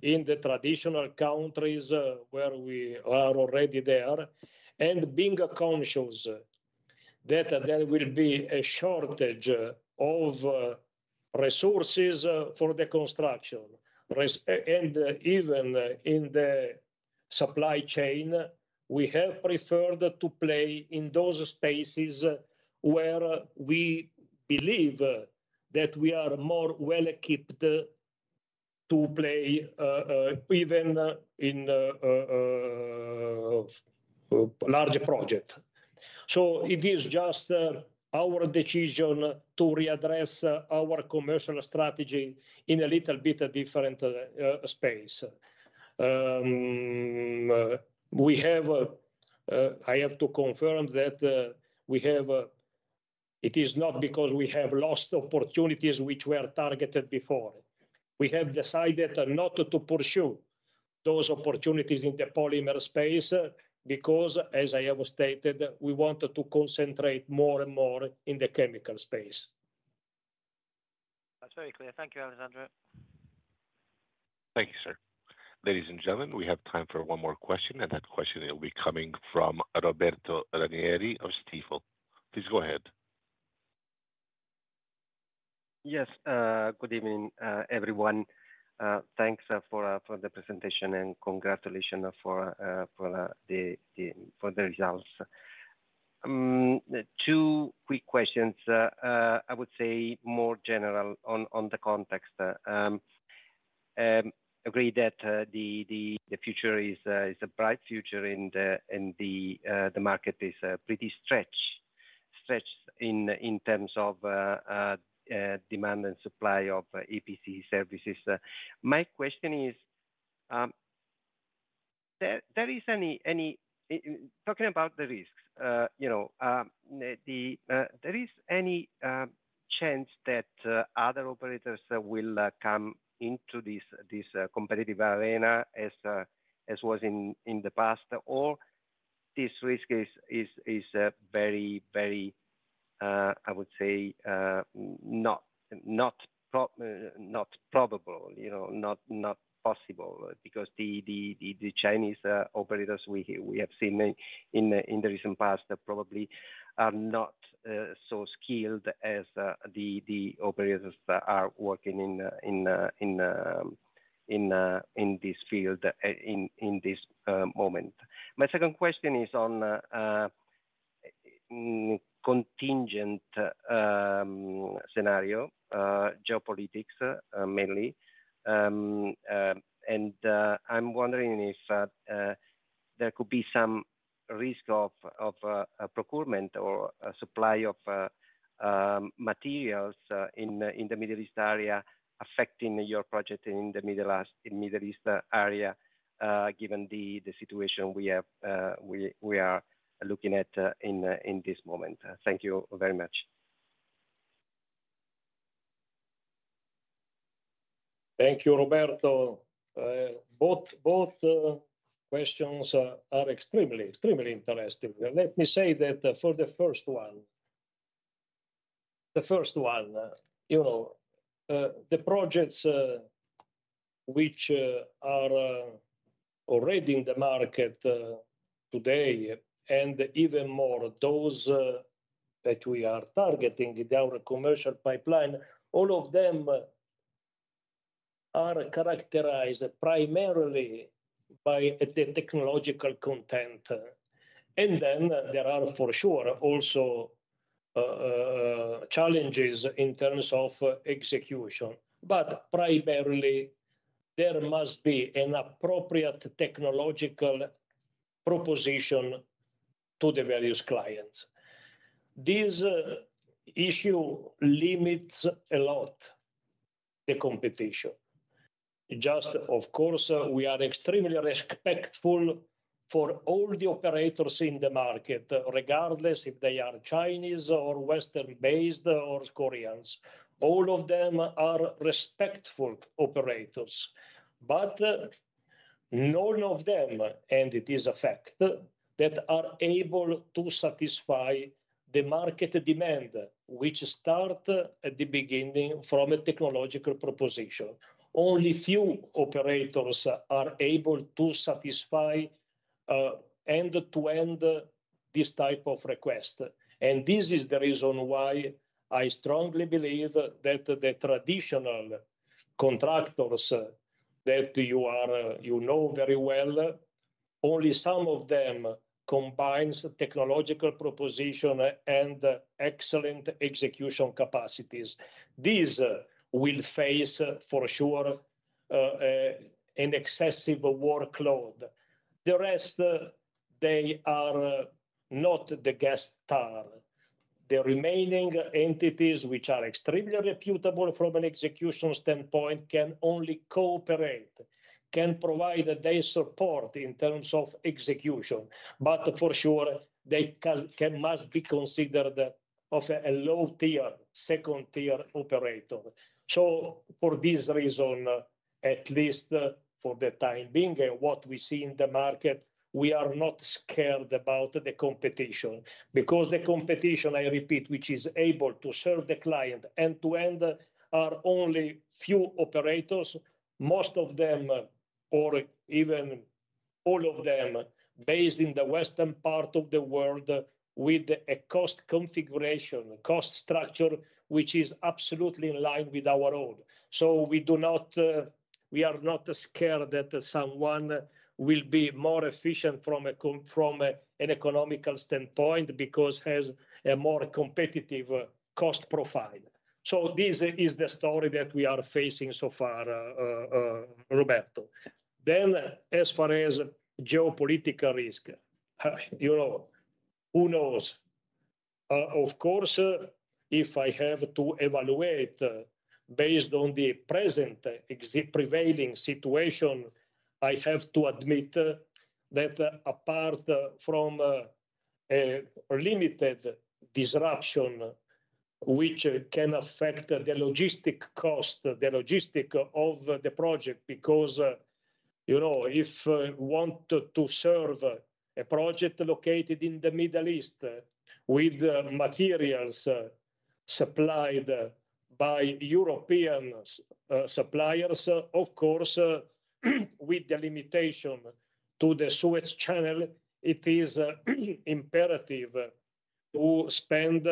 in the traditional countries where we are already there and being conscious that there will be a shortage of resources for the construction and even in the supply chain, we have preferred to play in those spaces where we believe that we are more well-equipped to play even in large projects. It is just our decision to readdress our commercial strategy in a little bit different space. I have to confirm that it is not because we have lost opportunities which were targeted before. We have decided not to pursue those opportunities in the polymer space because, as I have stated, we want to concentrate more and more in the chemical space. That's very clear. Thank you, Alessandro. Thank you, sir. Ladies and gentlemen, we have time for one more question. That question will be coming from Roberto Ranieri of Stifel. Please go ahead. Yes. Good evening, everyone. Thanks for the presentation and congratulations for the results. 2 quick questions, I would say, more general on the context. Agree that the future is a bright future and the market is pretty stretched in terms of demand and supply of EPC services. My question is, there is any talking about the risks, there is any chance that other operators will come into this competitive arena as was in the past, or this risk is very, very, I would say, not probable, not possible because the Chinese operators we have seen in the recent past probably are not so skilled as the operators that are working in this field in this moment. My second question is on a contingent scenario, geopolitics mainly. And I'm wondering if there could be some risk of procurement or supply of materials in the Middle East area affecting your project in the Middle East area given the situation we are looking at in this moment. Thank you very much. Thank you, Roberto. Both questions are extremely, extremely interesting. Let me say that for the first one, the first one, the projects which are already in the market today and even more those that we are targeting in our commercial pipeline, all of them are characterized primarily by the technological content. And then there are for sure also challenges in terms of execution. But primarily, there must be an appropriate technological proposition to the various clients. This issue limits a lot the competition. Just, of course, we are extremely respectful for all the operators in the market, regardless if they are Chinese or Western-based or Koreans. All of them are respectful operators. None of them, and it is a fact, that are able to satisfy the market demand which starts at the beginning from a technological proposition. Only few operators are able to satisfy and to end this type of request. This is the reason why I strongly believe that the traditional contractors that you know very well, only some of them combine technological proposition and excellent execution capacities. These will face, for sure, an excessive workload. The rest, they are not the guest star. The remaining entities which are extremely reputable from an execution standpoint can only cooperate, can provide their support in terms of execution. For sure, they must be considered of a low-tier, second-tier operator. So for this reason, at least for the time being and what we see in the market, we are not scared about the competition because the competition, I repeat, which is able to serve the client end to end, are only few operators, most of them or even all of them based in the Western part of the world with a cost configuration, cost structure which is absolutely in line with our own. So we are not scared that someone will be more efficient from an economical standpoint because has a more competitive cost profile. So this is the story that we are facing so far, Roberto. Then as far as geopolitical risk, who knows? Of course, if I have to evaluate based on the present prevailing situation, I have to admit that apart from limited disruption which can affect the logistics cost, the logistics of the project because if you want to serve a project located in the Middle East with materials supplied by European suppliers, of course, with the limitation to the Suez Canal, it is imperative to spend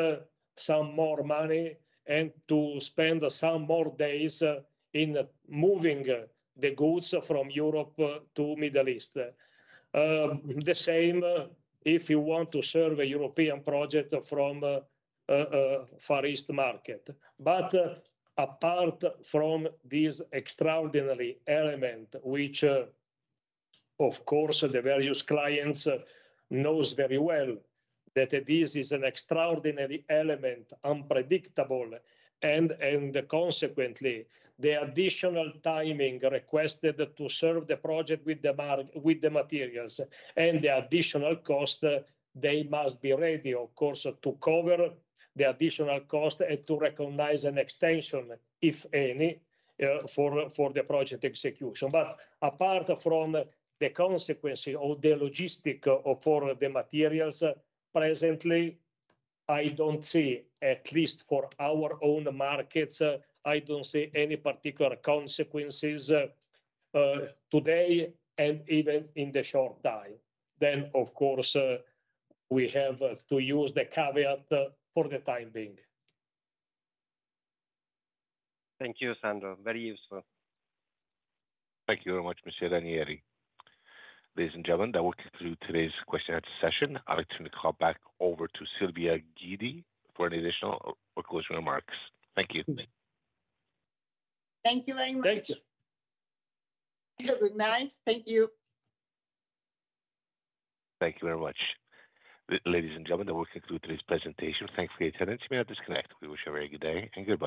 some more money and to spend some more days in moving the goods from Europe to the Middle East. The same if you want to serve a European project from the Far East market. But apart from this extraordinary element which, of course, the various clients know very well that this is an extraordinary element, unpredictable, and consequently, the additional timing requested to serve the project with the materials and the additional cost, they must be ready, of course, to cover the additional cost and to recognize an extension, if any, for the project execution. But apart from the consequences of the logistics for the materials, presently, I don't see, at least for our own markets, I don't see any particular consequences today and even in the short time. Then, of course, we have to use the caveat for the time being. Thank you, Sandro. Very useful. Thank you very much, Mr. Ranieri. Ladies and gentlemen, that will conclude today's question-and-answer session. I'd like to call back over to Silvia Guidi for any additional or closing remarks. Thank you. Thank you very much. Thank you. Have a good night. Thank you. Thank you very much. Ladies and gentlemen, that will conclude today's presentation. Thanks for your attendance. You may now disconnect. We wish you a very good day and goodbye.